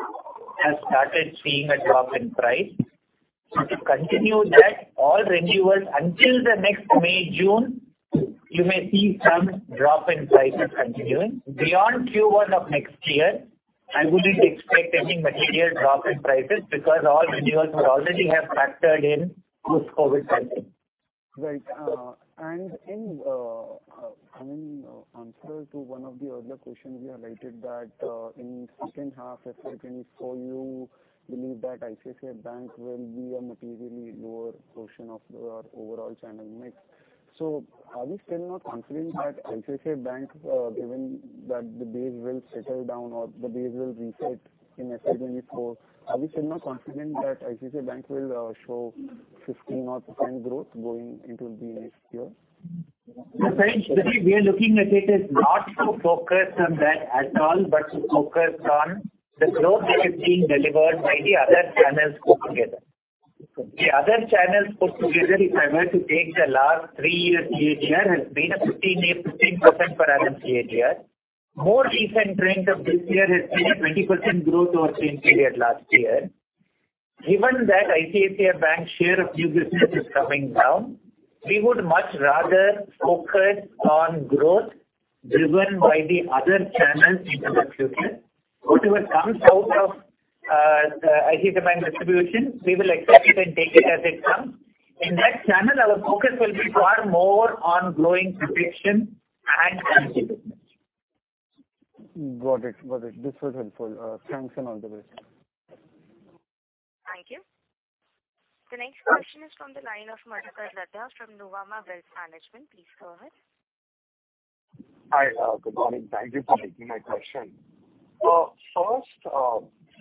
have started seeing a drop in price. To continue that, all renewals until the next May, June, you may see some drop in prices continuing. Beyond Q1 of next year, I wouldn't expect any material drop in prices because all renewals would already have factored in this COVID pricing. Right. I mean, answer to one of the earlier questions you highlighted that, in second half FY 2024, you believe that ICICI Bank will be a materially lower portion of your overall channel mix. Are we still not confident that ICICI Bank, given that the base will settle down or the base will reset in FY 2024, are we still not confident that ICICI Bank will show 15 odd % growth going into the next year? The thing, the way we are looking at it is not to focus on that at all, but to focus on the growth that is being delivered by the other channels put together. The other channels put together, if I were to take the last 3 years CAGR, has been a 15%-18% per annum CAGR. More recent trend of this year has been a 20% growth over same period last year. Given that ICICI Bank share of new business is coming down, we would much rather focus on growth driven by the other channels into the future. Whatever comes out of the ICICI Bank distribution, we will accept it and take it as it comes. In that channel, our focus will be far more on growing penetration and new business. Got it. This was helpful. Thanks and all the best. Thank you. The next question is from the line of Madhukar Ladha from Nuvama Wealth Management. Please go ahead. Hi, good morning. Thank you for taking my question. First,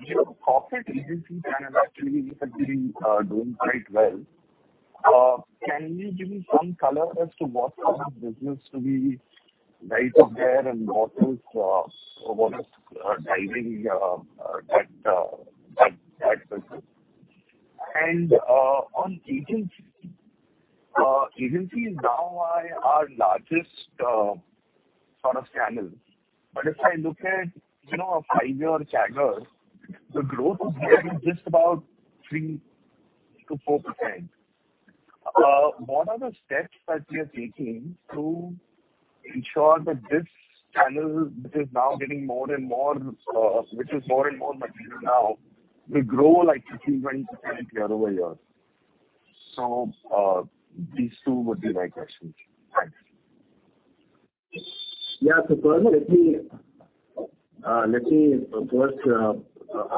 your corporate agency channel actually has been doing quite well. Can you give me some color as to what kind of business to be right up there and what is, what is driving that business? On agency is now our largest sort of channel. If I look at, you know, a 5-year CAGR, the growth is really just about 3%-4%. What are the steps that we are taking to ensure that this channel, which is now getting more and more, which is more and more material now, will grow like 15%-20% year-over-year? These two would be my questions. Thanks. Yeah. First let me first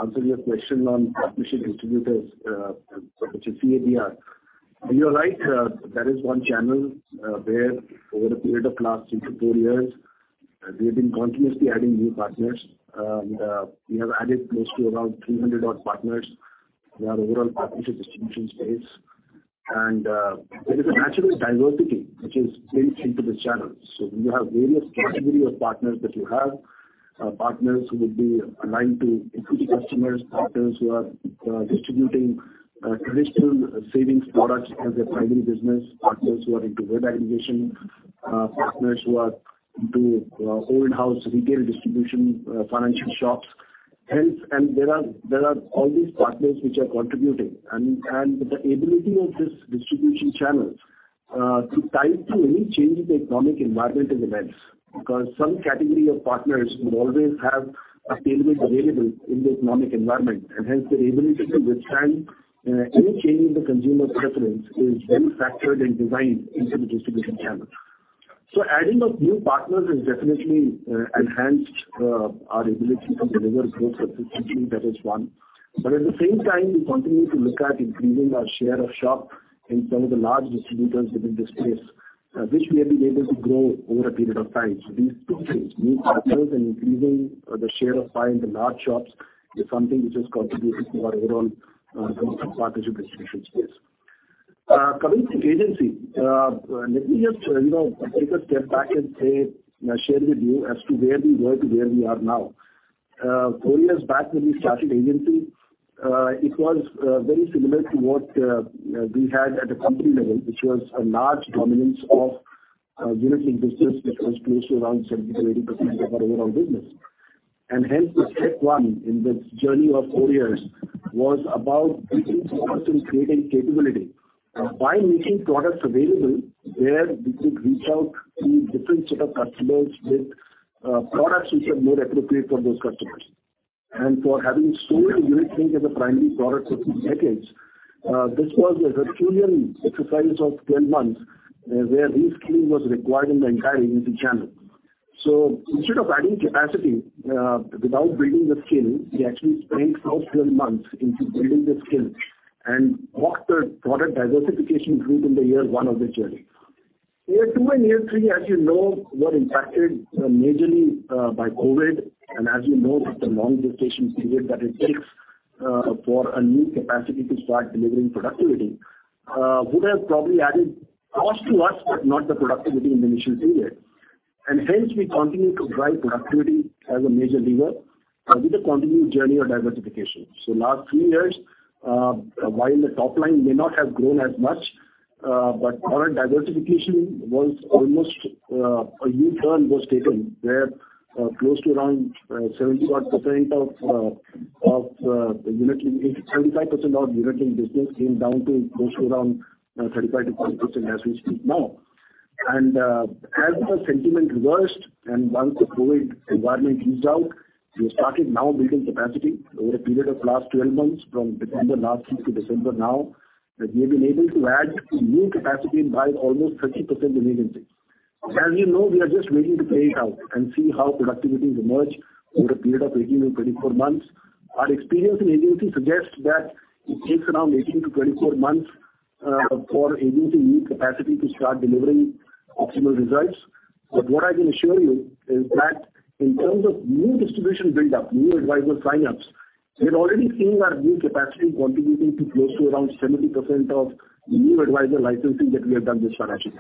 answer your question on partnership distributors, which is Partnership Distribution. You're right. That is one channel where over a period of last 3-4 years, we have been continuously adding new partners. We have added close to around 300 odd partners in our overall partnership distribution space. There is a natural diversity which is built into the channel. You have various category of partners that you have. Partners who would be aligned to existing customers, partners who are distributing traditional savings products as their primary business, partners who are into web aggregation, partners who are into old house retail distribution, financial shops, hence... There are all these partners which are contributing and the ability of this distribution channel to tie to any change in the economic environment and events, because some category of partners would always have a payment available in the economic environment. Hence the ability to withstand any change in the consumer preference is well factored and designed into the distribution channel. Adding of new partners has definitely enhanced our ability to deliver growth sufficiently. That is one. At the same time, we continue to look at increasing our share of shop in some of the large distributors within this space, which we have been able to grow over a period of time. These two things, new partners and increasing the share of pie in the large shops is something which has contributed to our overall growth of partnership distribution space. Coming to agency, let me just, you know, take a step back and say, share with you as to where we were to where we are now. Four years back when we started agency, it was very similar to what we had at a company level, which was a large dominance of Unit Linked business which was close to around 70%-80% of our overall business. Hence the step one in this journey of four years was about reaching customers and creating capability by making products available where we could reach out to different set of customers with products which are more appropriate for those customers. For having sold unit link as a primary product for 2 decades, this was a Herculean exercise of 12 months, where re-skilling was required in the entire agency channel. Instead of adding capacity, without building the skill, we actually spent those 12 months into building the skill and walked the product diversification route in the year 1 of the journey. Year 2 and year 3, as you know, were impacted, majorly, by COVID. As you know, with the long gestation period that it takes, for a new capacity to start delivering productivity, would have probably added cost to us, but not the productivity in the initial period. Hence we continue to drive productivity as a major lever, with a continued journey of diversification. Last three years, while the top line may not have grown as much, but product diversification was almost a U-turn was taken where close to around 70 odd % of unit link business came down to close to around 35%-40% as we speak now. As the sentiment reversed and once the COVID environment eased out, we started now building capacity over a period of last 12 months from December last year to December now, that we have been able to add new capacity by almost 30% in agency. As you know, we are just waiting to play it out and see how productivities emerge over a period of 18-24 months. Our experience in agency suggests that it takes around 18 to 24 months, for agency new capacity to start delivering optimal results. What I can assure you is that in terms of new distribution build up, new advisor signups, we're already seeing our new capacity contributing to close to around 70% of new advisor licensing that we have done this financial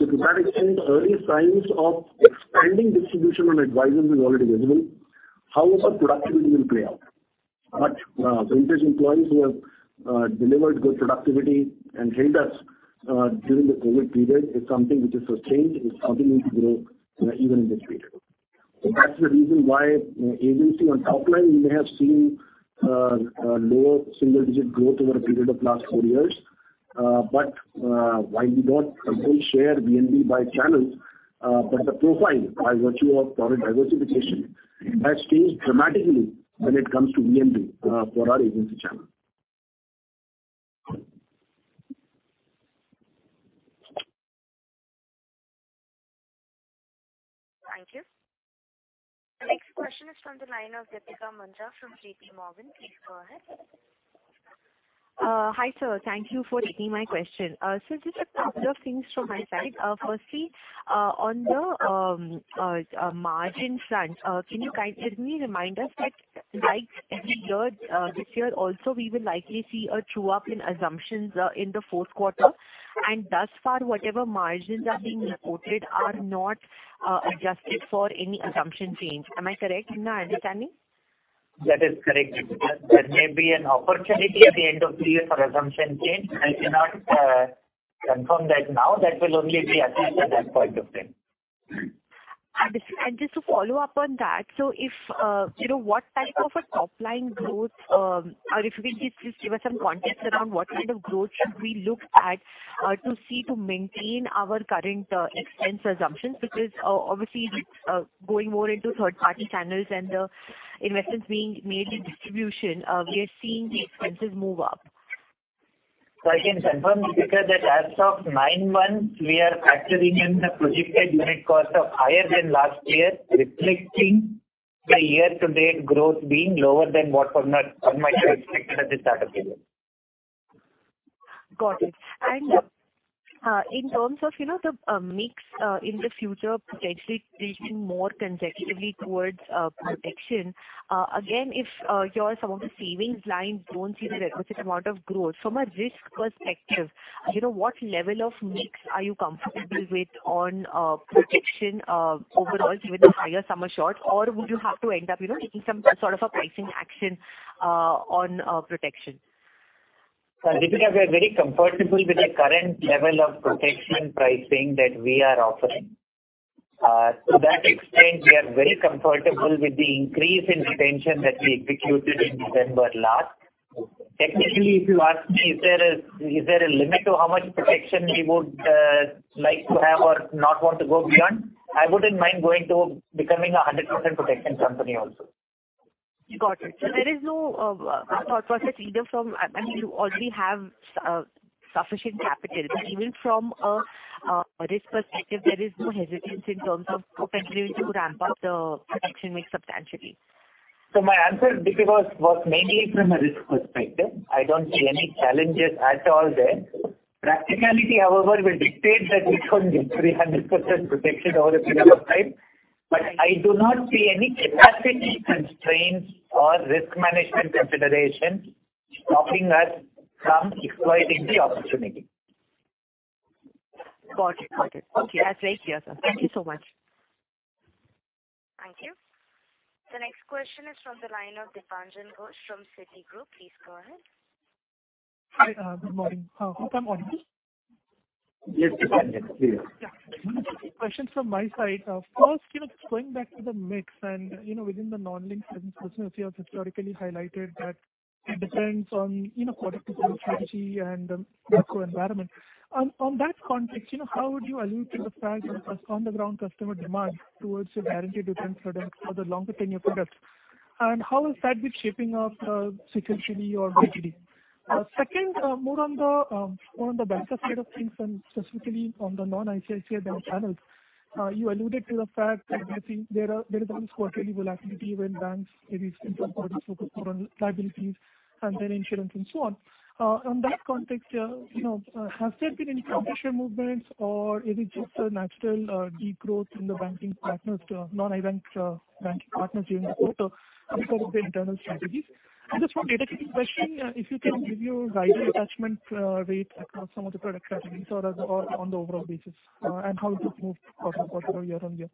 year. To that extent, early signs of expanding distribution on advisors is already visible. How is our productivity will play out? Vintage employees who have delivered good productivity and helped us during the COVID period is something which is sustained, is continuing to grow even in this period. That's the reason why agency on top line, we may have seen a lower single digit growth over a period of last 4 years. While we don't completely share VNB by channels, but the profile by virtue of product diversification has changed dramatically when it comes to VNB for our agency channel. Thank you. The next question is from the line of Deepika Mundra from JP Morgan. Please go ahead. Hi, sir. Thank you for taking my question. Just a couple of things from my side. Firstly, on the margin front, can you remind us that like every year, this year also we will likely see a true up in assumptions, in the fourth quarter, and thus far, whatever margins are being reported are not adjusted for any assumption change. Am I correct in my understanding? That is correct. There may be an opportunity at the end of the year for assumption change. I cannot confirm that now. That will only be assessed at that point of time. Just to follow up on that, if, you know, what type of a top line growth, or if you can please give us some context around what kind of growth should we look at to see to maintain our current expense assumptions, because obviously with going more into third party channels and the investments being made in distribution, we are seeing the expenses move up. I can confirm, Deepika, that as of 9 months, we are factoring in the projected unit cost of higher than last year, reflecting the year to date growth being lower than what might have expected at the start of year. Got it. In terms of, you know, the mix, in the future potentially tilting more consecutively towards protection, again, if your some of the savings line don't see the requisite amount of growth, from a risk perspective, you know, what level of mix are you comfortable with on protection, overall, given the higher summer short? Or would you have to end up, you know, taking some sort of a pricing action on protection? Deepika, we are very comfortable with the current level of protection pricing that we are offering. To that extent, we are very comfortable with the increase in retention that we executed in December last. Technically, if you ask me, is there a limit to how much protection we would like to have or not want to go beyond, I wouldn't mind going to becoming a 100% protection company also. Got it. There is no, thought process either I mean, you already have, sufficient capital, but even from a, risk perspective, there is no hesitance in terms of potentially to ramp up the protection mix substantially. My answer, Deepika, was mainly from a risk perspective. I don't see any challenges at all there. Practicality, however, will dictate that we can't be 300% protected over a period of time, but I do not see any capacity constraints or risk management considerations stopping us from exploiting the opportunity. Got it. Okay, as late here, sir. Thank you so much. Thank you. The next question is from the line of Dipanjan Ghosh from Citigroup. Please go ahead. Hi, good morning. Hope I'm audible. Yes, Dipanjan. Please. Yeah. Two questions from my side. First, you know, going back to the mix and, you know, within the non-linked business, you have historically highlighted that it depends on, you know, product development strategy and the macro environment. On, on that context, you know, how would you allude to the fact of on the ground customer demand towards your guaranteed return products or the longer tenure products? How has that been shaping up, sequentially or YTD? Second, more on the, more on the banker side of things and specifically on the non ICICI Bank channels. You alluded to the fact that there are, there is also quarterly volatility when banks, maybe central parties focus more on liabilities and then insurance and so on. On that context, has there been any publisher movements or is it just a natural deep growth in the banking partners non-ICICI Bank to banking partners during the quarter because of the internal strategies? Just one data keeping question, if you can give your rider attachment rates across some of the product strategies or on the overall basis, and how it has moved quarter-over-year on year.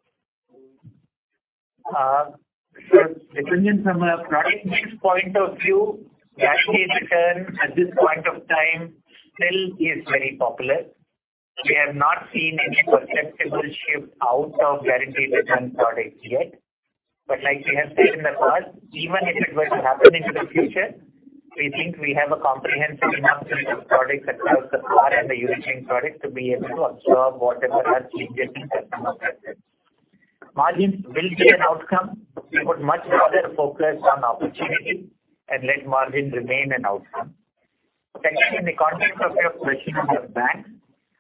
Depending from a product mix point of view, guaranteed return at this point of time still is very popular. We have not seen any perceptible shift out of guaranteed return products yet. Like we have said in the past, even if it were to happen into the future, we think we have a comprehensive enough set of products across the PAR and the unit linked product to be able to absorb whatever are changes in customer preferences. Margins will be an outcome. We would much rather focus on opportunity and let margin remain an outcome. Second, in the context of your question on the banks,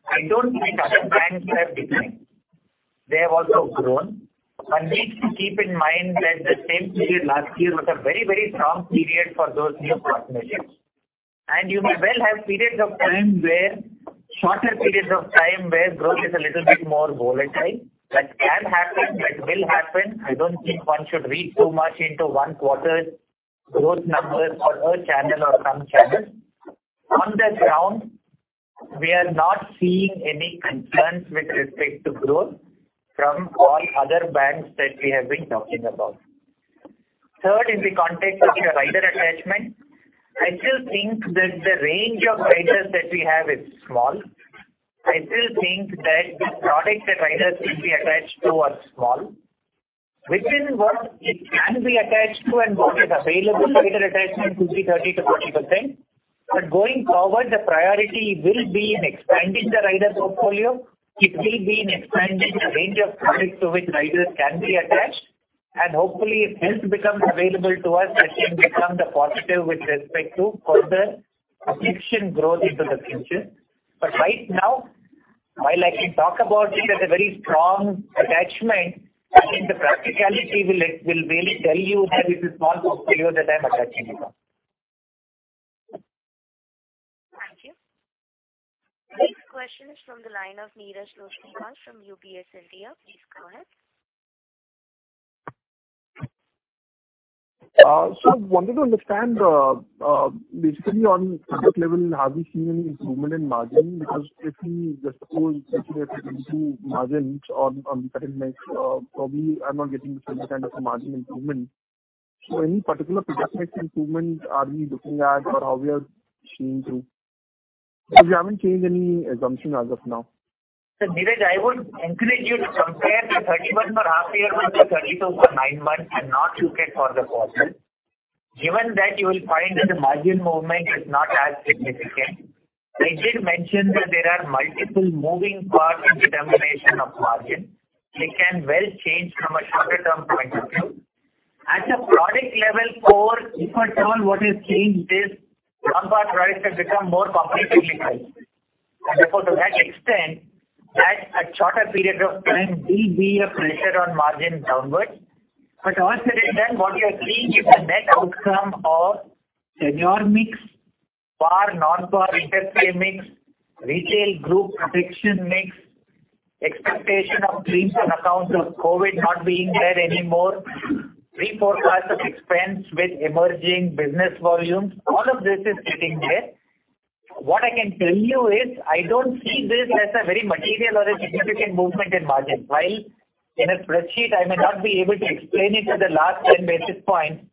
I don't think other banks have declined. They have also grown. One needs to keep in mind that the same period last year was a very, very strong period for those new partnerships. You may well have periods of time shorter periods of time where growth is a little bit more volatile. That can happen, that will happen. I don't think one should read too much into 1 quarter's growth numbers for a channel or some channels. On the ground, we are not seeing any concerns with respect to growth from all other banks that we have been talking about. Third, in the context of your rider attachment, I still think that the range of riders that we have is small. I still think that the products that riders can be attached to are small. Within what it can be attached to and what is available, rider attachment could be 30%-40%. Going forward, the priority will be in expanding the rider portfolio. It will be in expanding the range of products to which riders can be attached, and hopefully, if this becomes available to us, that can become the positive with respect to further fiction growth into the future. Right now, while I can talk about it as a very strong attachment, I think the practicality will really tell you that it's a small portfolio that I'm attaching it on. Thank you. Next question is from the line of Neeraj Toshniwal from UBS India. Please go ahead. I wanted to understand, basically on product level, have you seen any improvement in margin? Because if we just suppose, especially if it comes to margins on the credit mix, probably I'm not getting to see any kind of a margin improvement. Any particular product mix improvement are we looking at or how we are seeing through? Because we haven't changed any assumption as of now. Neeraj, I would encourage you to compare the 31 for half year versus 30 to 9 months and not look at for the quarter. Given that, you will find that the margin movement is not as significant. I did mention that there are multiple moving parts in determination of margin. It can well change from a shorter-term point of view. At a product level, for if at all what is seen is non-par products have become more competitively priced. Therefore, to that extent, that a shorter period of time will be a pressure on margin downwards. All said and done, what you are seeing is the net outcome of senior mix, par/non-par interest rate mix, retail group protection mix, expectation of claims on account of COVID not being there anymore, reforecast of expense with emerging business volumes, all of this is getting there. What I can tell you is I don't see this as a very material or a significant movement in margin. While in a spreadsheet I may not be able to explain it to the last 10 basis points,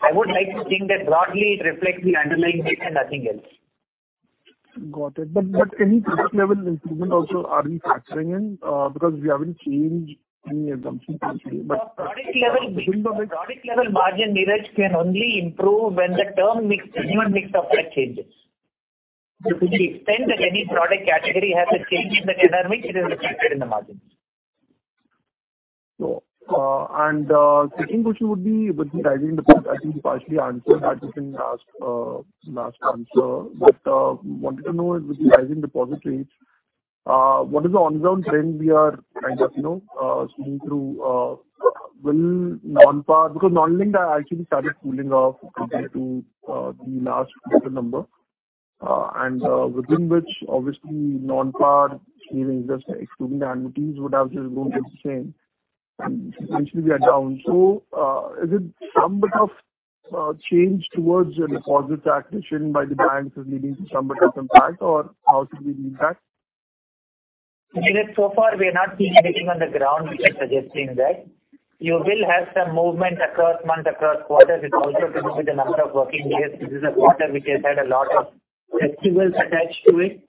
I would like to think that broadly it reflects the underlying mix and nothing else. Got it. Any product level improvement also are we factoring in? Because we haven't changed any assumptions this year. Product level margin, Neeraj, can only improve when mix of product changes. To the extent that any product category has a change in the term mix, it is reflected in the margins. Sure. Second question would be with the rising deposit. I think you partially answered that within last answer. Wanted to know with the rising deposit rates, what is the on-ground trend we are kind of, you know, seeing through, will non-par... Because non-linked actually started cooling off compared to, the last quarter number. Within which obviously non-par, excluding the annuities would have just grown at the same, and essentially we are down. Is it some bit of, change towards deposit acquisition by the banks is leading to some bit of impact or how should we read that? Neeraj, so far we are not seeing anything on the ground which is suggesting that. You will have some movement across months, across quarters. It's also to do with the number of working days. This is a quarter which has had a lot of festivals attached to it.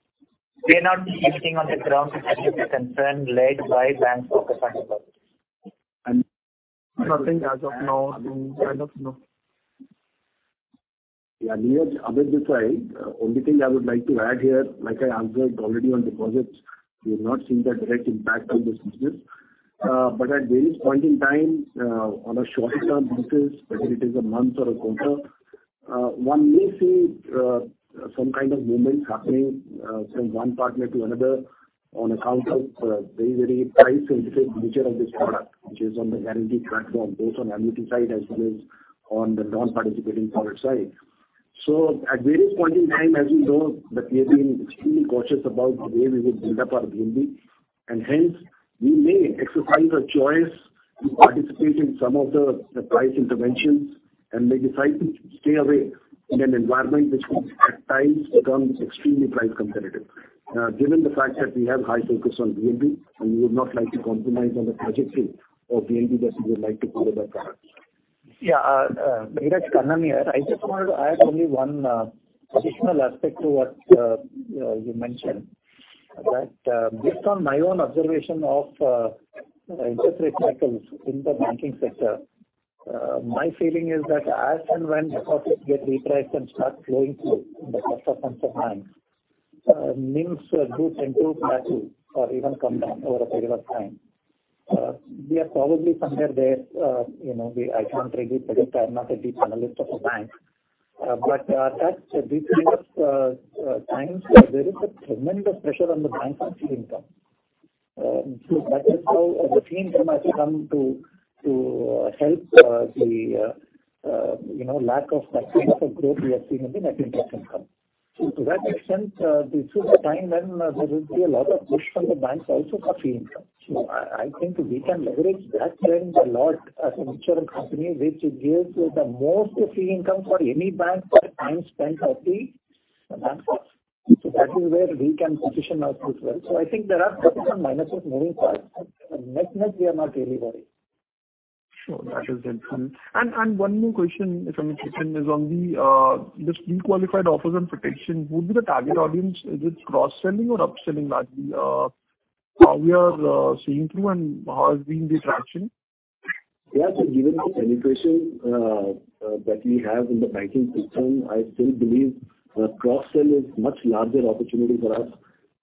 We are not seeing anything on the ground which suggests a concern led by bank focus on deposits. Nothing as of now in kind of, you know. Yeah, Neeraj, Amit Palta. Only thing I would like to add here, like I answered already on deposits, we've not seen the direct impact on this business. At various point in time, on a shorter-term basis, whether it is a month or a quarter, one may see some kind of movement happening from one partner to another on account of very, very price-sensitive nature of this product, which is on the guarantee platform, both on annuity side as well as on the non-participating product side. At various point in time, as you know, that we have been extremely cautious about the way we would build up our VNB. Hence, we may exercise a choice to participate in some of the price interventions and may decide to stay away in an environment which at times becomes extremely price competitive. Given the fact that we have high focus on VNB, and we would not like to compromise on the trajectory of VNB as we would like to build that product. Neeraj, Kannan here. I just wanted to add only one additional aspect to what you mentioned. That based on my own observation of interest rate cycles in the banking sector, my feeling is that as and when deposits get repriced and start flowing through in the course of months of time, NIMs do tend to plateau or even come down over a period of time. We are probably somewhere there, you know, I can't really predict. I'm not a deep analyst of a bank. At these previous times there is a tremendous pressure on the bank's funding cost. That is how the fee income has come to help the, you know, lack of that kind of growth we are seeing in the net interest income. To that extent, this is the time when there will be a lot of push from the banks also for fee income. I think we can leverage that trend a lot as an insurance company, which gives the most fee income for any bank per time spent by the banks. That is where we can position ourselves well. I think there are pluses and minuses moving forward, but net-net, we are not really worried. Sure. That is helpful. One more question, if I may take them, is on the pre-qualified offers and protection, who would be the target audience? Is it cross-selling or upselling that we are seeing through and how is being the traction? Yeah. Given the penetration that we have in the banking system, I still believe that cross-sell is much larger opportunity for us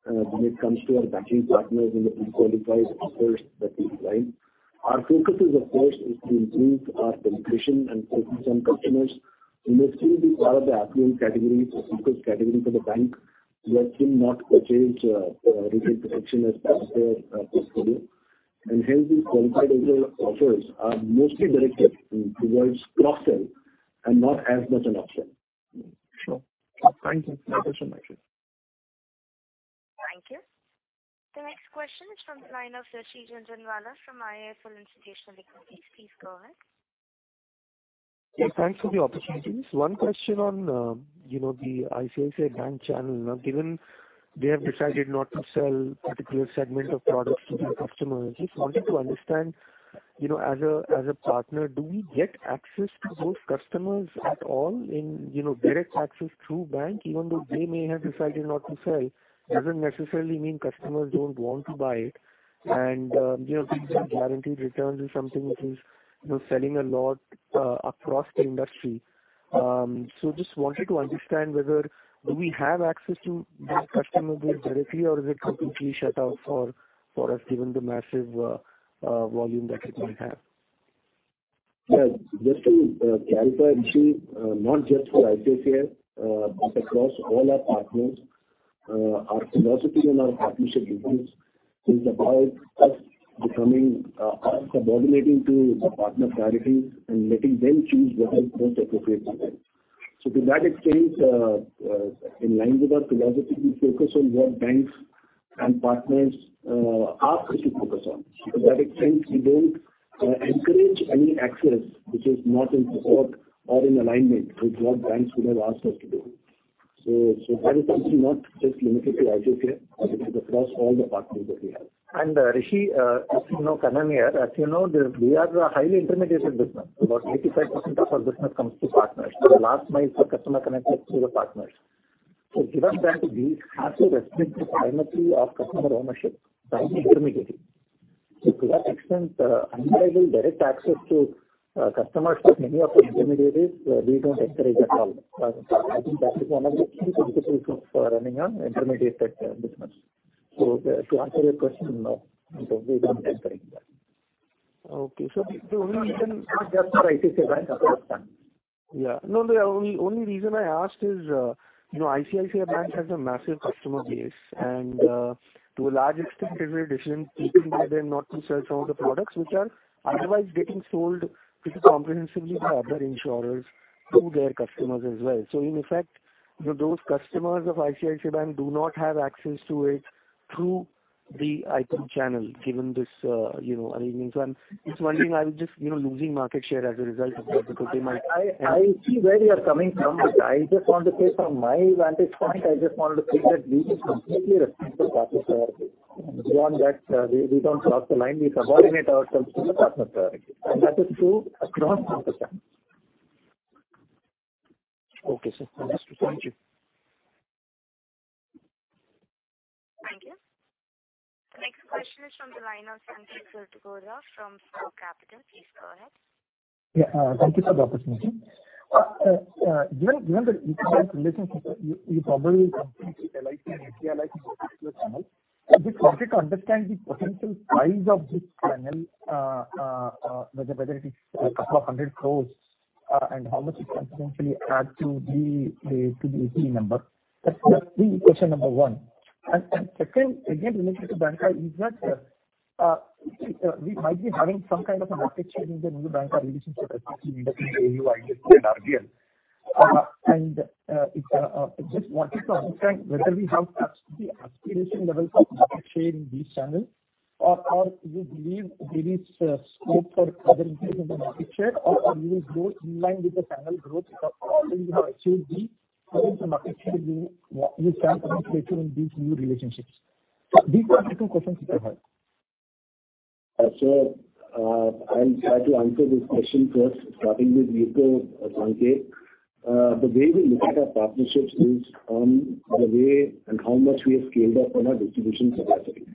when it comes to our banking partners in the pre-qualified offers that we provide. Our focus is, of course, to improve our penetration and focus on customers who may still be part of the affluent category, the seekers category for the bank, who have still not purchased retail protection as part of their portfolio. Hence, these qualified offers are mostly directed towards cross-sell and not as much an upsell. Sure. Thank you. No question actually. Thank you. The next question is from the line of Rishikesh Jungade from IIFL Institutional Equities. Please go ahead. Yes, thanks for the opportunity. One question on, you know, the ICICI Bank channel. Now, given they have decided not to sell particular segment of products to their customers, just wanted to understand, you know, as a, as a partner, do we get access to those customers at all in, you know, direct access through bank, even though they may have decided not to sell, doesn't necessarily mean customers don't want to buy it. You know, these are guaranteed returns or something which is, you know, selling a lot, across the industry. Just wanted to understand whether do we have access to those customers directly or is it completely shut out for us, given the massive volume that it might have? Yeah. Just to clarify, Rishi, not just for ICICI, but across all our partners, our philosophy and our partnership approach is about us becoming us subordinating to the partner priorities and letting them choose what is most appropriate for them. To that extent, in line with our philosophy, we focus on what banks and partners ask us to focus on. To that extent, we don't encourage any access which is not in support or in alignment with what banks would have asked us to do. That is something not just limited to ICICI, but it is across all the partners that we have. Rishi, as you know, Kannan here. As you know, we are a highly intermediated business. About 85% of our business comes through partners. The last mile for customer connect is through the partners. Given that, we have to respect the primacy of customer ownership by the intermediary. To that extent, underwriting direct access to customers for many of the intermediaries, we don't encourage at all. I think that is one of the key principles for running an intermediated business. To answer your question, no. We don't encourage that. Okay. The only reason. Not just for ICICI Bank across banks. Yeah. No, the only reason I asked is, you know, ICICI Bank has a massive customer base, and to a large extent, it is a decision taken by them not to sell some of the products which are otherwise getting sold pretty comprehensively by other insurers to their customers as well. In effect, those customers of ICICI Bank do not have access to it through the ICICI channel, given this, you know, arrangement. I'm just wondering, are we just, you know, losing market share as a result of that because they might- I see where you are coming from. I just want to say from my vantage point, I just wanted to say that we just completely respect the partner priority. Beyond that, we don't cross the line. We subordinate ourselves to the partner priority. That is true across all the banks. Okay, sir. Thank you. Thank you. The next question is from the line of Sanket Godha from Spark Capital. Please go ahead. Yeah. Thank you for the opportunity. Given the recent bank relations, you probably compete with LIC and HDFC in this particular channel. Just wanted to understand the potential size of this channel, whether it is 200 crores, and how much it can potentially add to the AP number. That's the question number one. Second, again related to bancassurance, we might be having some kind of a market share in the new bancassurance relationship, especially with the new IDFC RBL. Just wanted to understand whether we have touched the aspiration levels of market share in these channels or you believe there is scope for further increase in the market share or we will grow in line with the channel growth because currently you have achieved the current market share you can penetrate in these new relationships? These are my two questions if I might. I'll try to answer this question first, starting with UCO, Sanketh. The way we look at our partnerships is on the way and how much we have scaled up on our distribution capacity.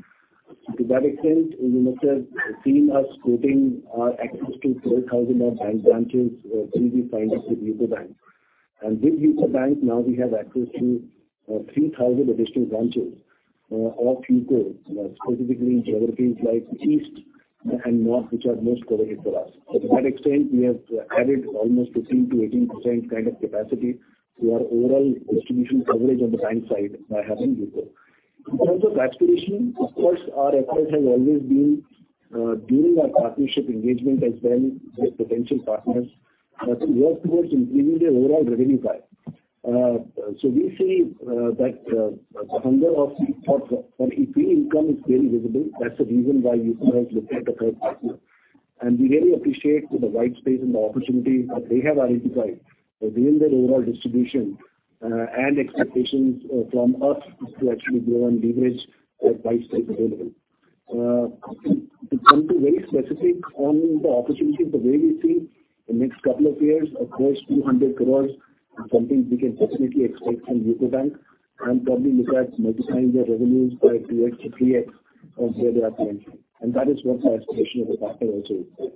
To that extent, you must have seen us quoting our access to 4,000 odd bank branches through the tie-up with UCO Bank. With UCO Bank, now we have access to 3,000 additional branches of UCO, you know, specifically in geographies like East and North which are most relevant for us. To that extent, we have added almost 15%-18% kind of capacity to our overall distribution coverage on the bank side by having UCO. In terms of aspiration, of course, our efforts have always been during our partnership engagement as well with potential partners to work towards improving their overall revenue pie. We see that the hunger for fee income is clearly visible. That's the reason why UCO has looked at a third partner. We really appreciate the white space and the opportunity that they have identified within their overall distribution and expectations from us to actually go and leverage that white space available. To come to very specific on the opportunity, the way we see the next couple of years, of course, 200 crores is something we can definitely expect from UCO Bank and probably look at multiplying their revenues by 2x to 3x of where they are today. That is what our aspiration of the partner also is.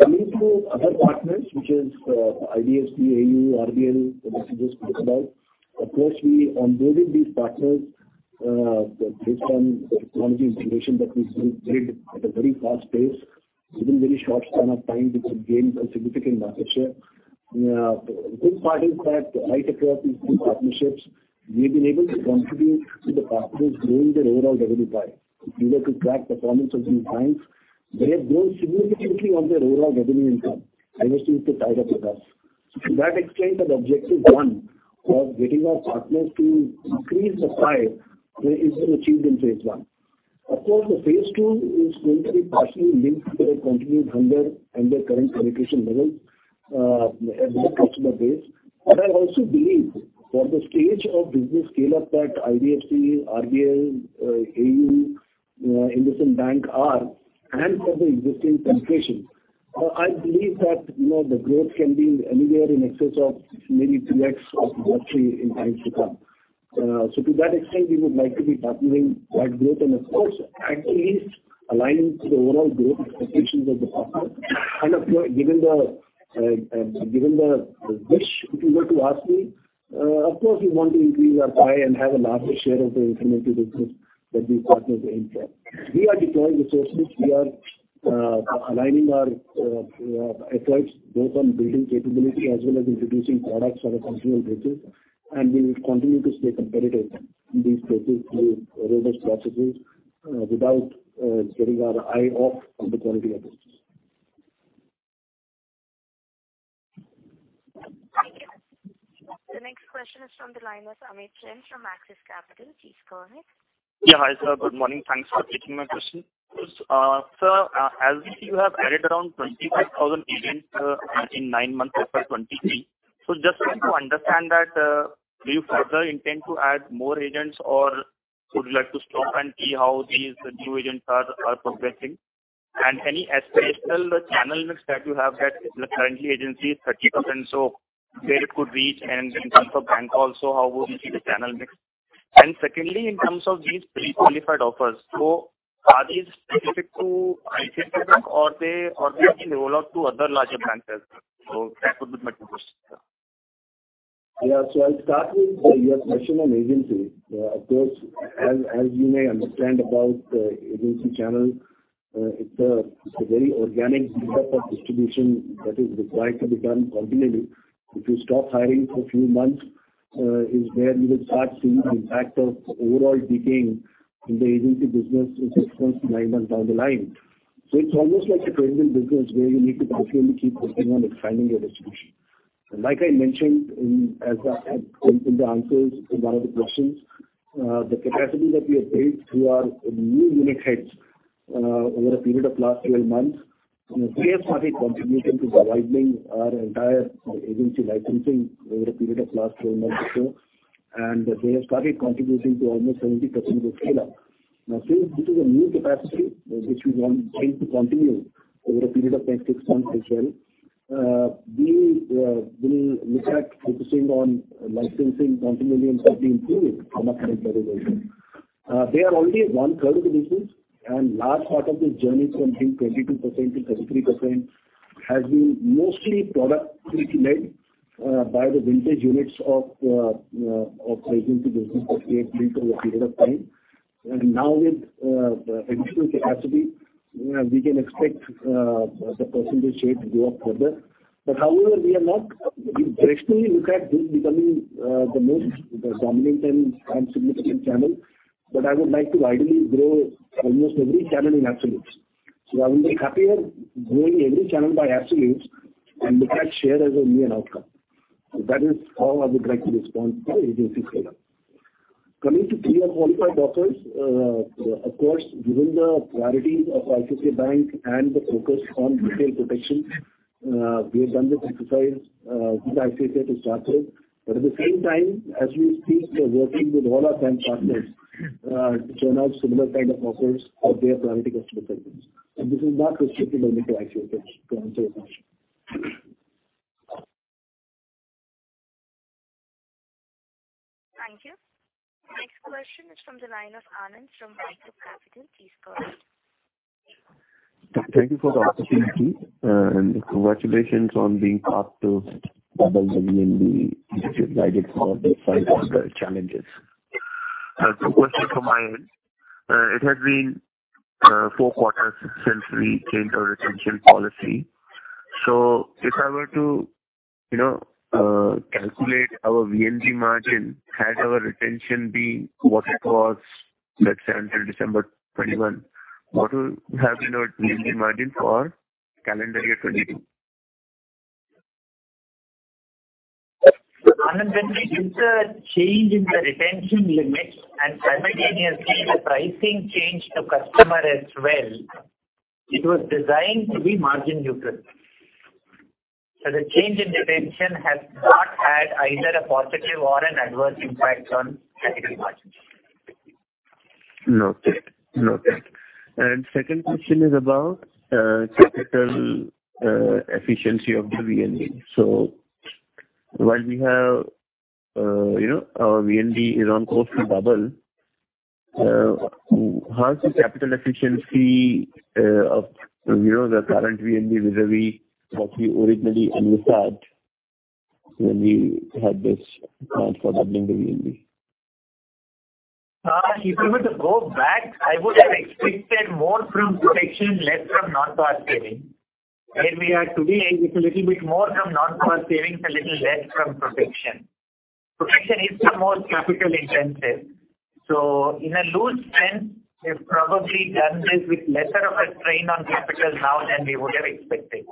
Coming to other partners, which is IDFC, AU, RBL that Vijesh spoke about. Of course, we onboarded these partners, based on the technology integration that we built at a very fast pace. Within very short span of time, we could gain a significant market share. Good part is that ICICI through partnerships, we've been able to contribute to the partners growing their overall revenue pie. If you were to track performance of these banks, they have grown significantly on their overall revenue income, I would say, tied up with us. To that extent, the objective one of getting our partners to increase the pie, is achieved in phase one. Of course, the phase two is going to be partially linked to their continued hunger and their current penetration levels, with the customer base. I also believe for the stage of business scale-up that IDFC, RBL, AU, IndusInd Bank are and for the existing penetration, I believe that, you know, the growth can be anywhere in excess of maybe2x or 3 times To that extent, we would like to be partnering that growth and of course, at least aligning to the overall growth expectations of the partner. Of course, given the wish, if you were to ask me, of course, we want to increase our pie and have a larger share of the infinite business that these partners aim for. We are deploying resources. We are aligning our efforts both on building capability as well as introducing products on a continual basis. We will continue to stay competitive in these places through robust processes, without getting our eye off on the quality of this. Thank you. The next question is from the line of Amit Jain from Axis Capital. Please go ahead. Yeah. Hi, sir. Good morning. Thanks for taking my question. Sir, as we see, you have added around 25,000 agents in 9 months of fiscal 2023. Just want to understand that, do you further intend to add more agents or would you like to stop and see how these new agents are progressing? Any aspirational channel mix that you have that currently agency is 30%, where it could reach? In terms of bank also, how would we see the channel mix? Secondly, in terms of these pre-qualified offers, are these specific to ICICI Bank or they will roll out to other larger banks as well? That would be my two questions, sir. Yeah. I'll start with your question on agency. Of course, as you may understand about agency channel, it's a very organic build-up of distribution that is required to be done continually. If you stop hiring for a few months, is where you will start seeing the impact of overall decaying in the agency business, in six months to nine months down the line. It's almost like a perennial business where you need to constantly keep working on expanding your distribution. Like I mentioned in, as I said in the answers to one of the questions, the capacity that we have built through our new unit heads, over a period of last 12 months, you know, they have started contributing to widening our entire agency licensing over a period of last 12 months or so. They have started contributing to almost 70% of the scale-up. Now, since this is a new capacity, which we want, going to continue over a period of next six months as well, we will look at focusing on licensing continually and certainly improve it from a credit perspective. They are only one-third of the business and large part of this journey from being 22%-33% has been mostly product-led by the vintage units of agency business that we had built over a period of time. Now with the additional capacity, we can expect the percentage share to go up further. However, we are not aggressively look at this becoming the most dominant and significant channel. I would like to ideally grow almost every channel in absolutes. I will be happier growing every channel by absolutes and look at share as only an outcome. That is how I would like to respond to our agency scale-up. Coming to pre-qualified offers, of course, given the priorities of ICICI Bank and the focus on retail protection, we have done this exercise with ICICI to start with. At the same time, as we speak, we are working with all our bank partners to turn out similar kind of offers for their priority customer segments. This is not restricted only to ICICI, to answer your question. Thank you. Next question is from the line of Anand from RBC Capital Please go ahead. Thank you for the opportunity and congratulations on being up to double-digit NIM despite all the challenges. Two questions from my end. It has been four quarters since we changed our retention policy. If I were to, you know, calculate our VNB margin, had our retention been what it was, let's say until December 2021, what would have been our VNB margin for calendar year 2022? Anand, since the change in the retention limits and simultaneously the pricing change to customer as well, it was designed to be margin neutral. The change in retention has not had either a positive or an adverse impact on technical margins. Noted. Noted. Second question is about capital efficiency of the VNB. While we have, you know, our VNB is on course to double, how is the capital efficiency of, you know, the current VNB vis-a-vis what we originally envisaged when we had this plan for doubling the VNB? If I were to go back, I would have expected more from protection, less from non-par savings. Where we are today is a little bit more from non-par savings, a little less from protection. Protection is the more capital intensive. In a loose sense, we've probably done this with lesser of a strain on capital now than we would have expected.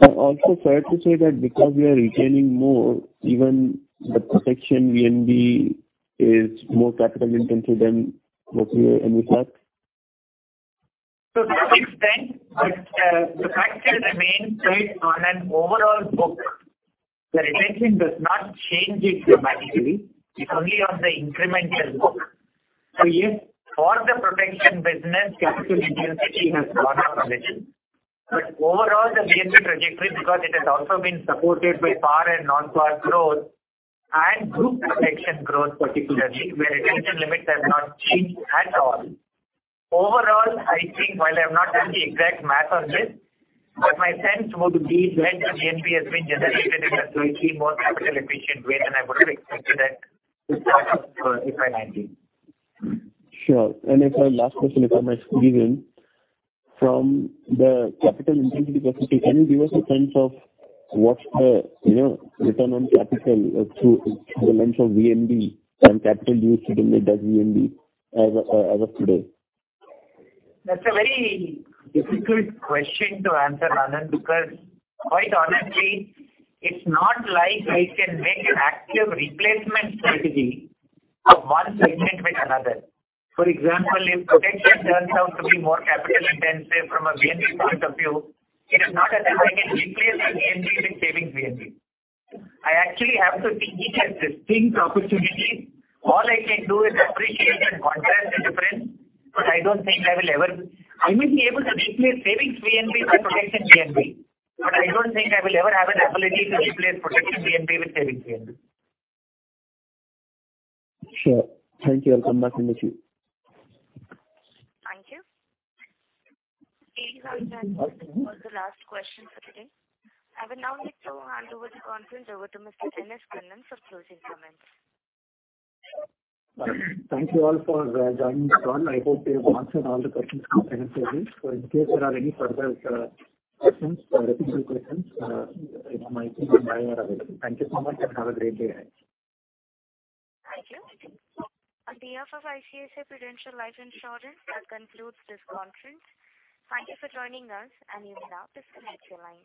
Fair to say that because we are retaining more, even the protection VNB is more capital intensive than what we had envisaged? To some extent, but the fact remains that on an overall book, the retention does not change it dramatically. It's only on the incremental book. Yes, for the protection business, capital intensity has gone up a little. Overall the VNB trajectory, because it has also been supported by par and non-par growth and group protection growth particularly, where retention limits have not changed at all. Overall, I think while I've not done the exact math on this, but my sense would be that the VNB that's been generated in a slightly more capital efficient way than I would have expected at this point of FY19. Sure. Last question, if I might squeeze in. From the capital intensity perspective, can you give us a sense of what the, you know, return on capital through the lens of VNB and capital used within the VNB as of today? That's a very difficult question to answer, Anand, because quite honestly, it's not like I can make an active replacement strategy of one segment with another. For example, if protection turns out to be more capital intensive from a VNB point of view, it is not as if I can replace that VNB with savings VNB. I actually have to think each as distinct opportunities. All I can do is appreciate and contrast the difference, but I don't think I will be able to replace savings VNB with protection VNB, but I don't think I will ever have an ability to replace protection VNB with savings VNB. Sure. Thank you. I'll come back in the queue. Thank you. Ladies and gentlemen, that was the last question for today. I would now like to hand over the conference over to Mr. N.S. Kannan for closing comments. Thank you all for joining this call. I hope we have answered all the questions to your satisfaction. In case there are any further questions or repeat questions, you know, my team and I are available. Thank you so much and have a great day ahead. Thank you. On behalf of ICICI Prudential Life Insurance, that concludes this conference. Thank you for joining us, and you may now disconnect your line.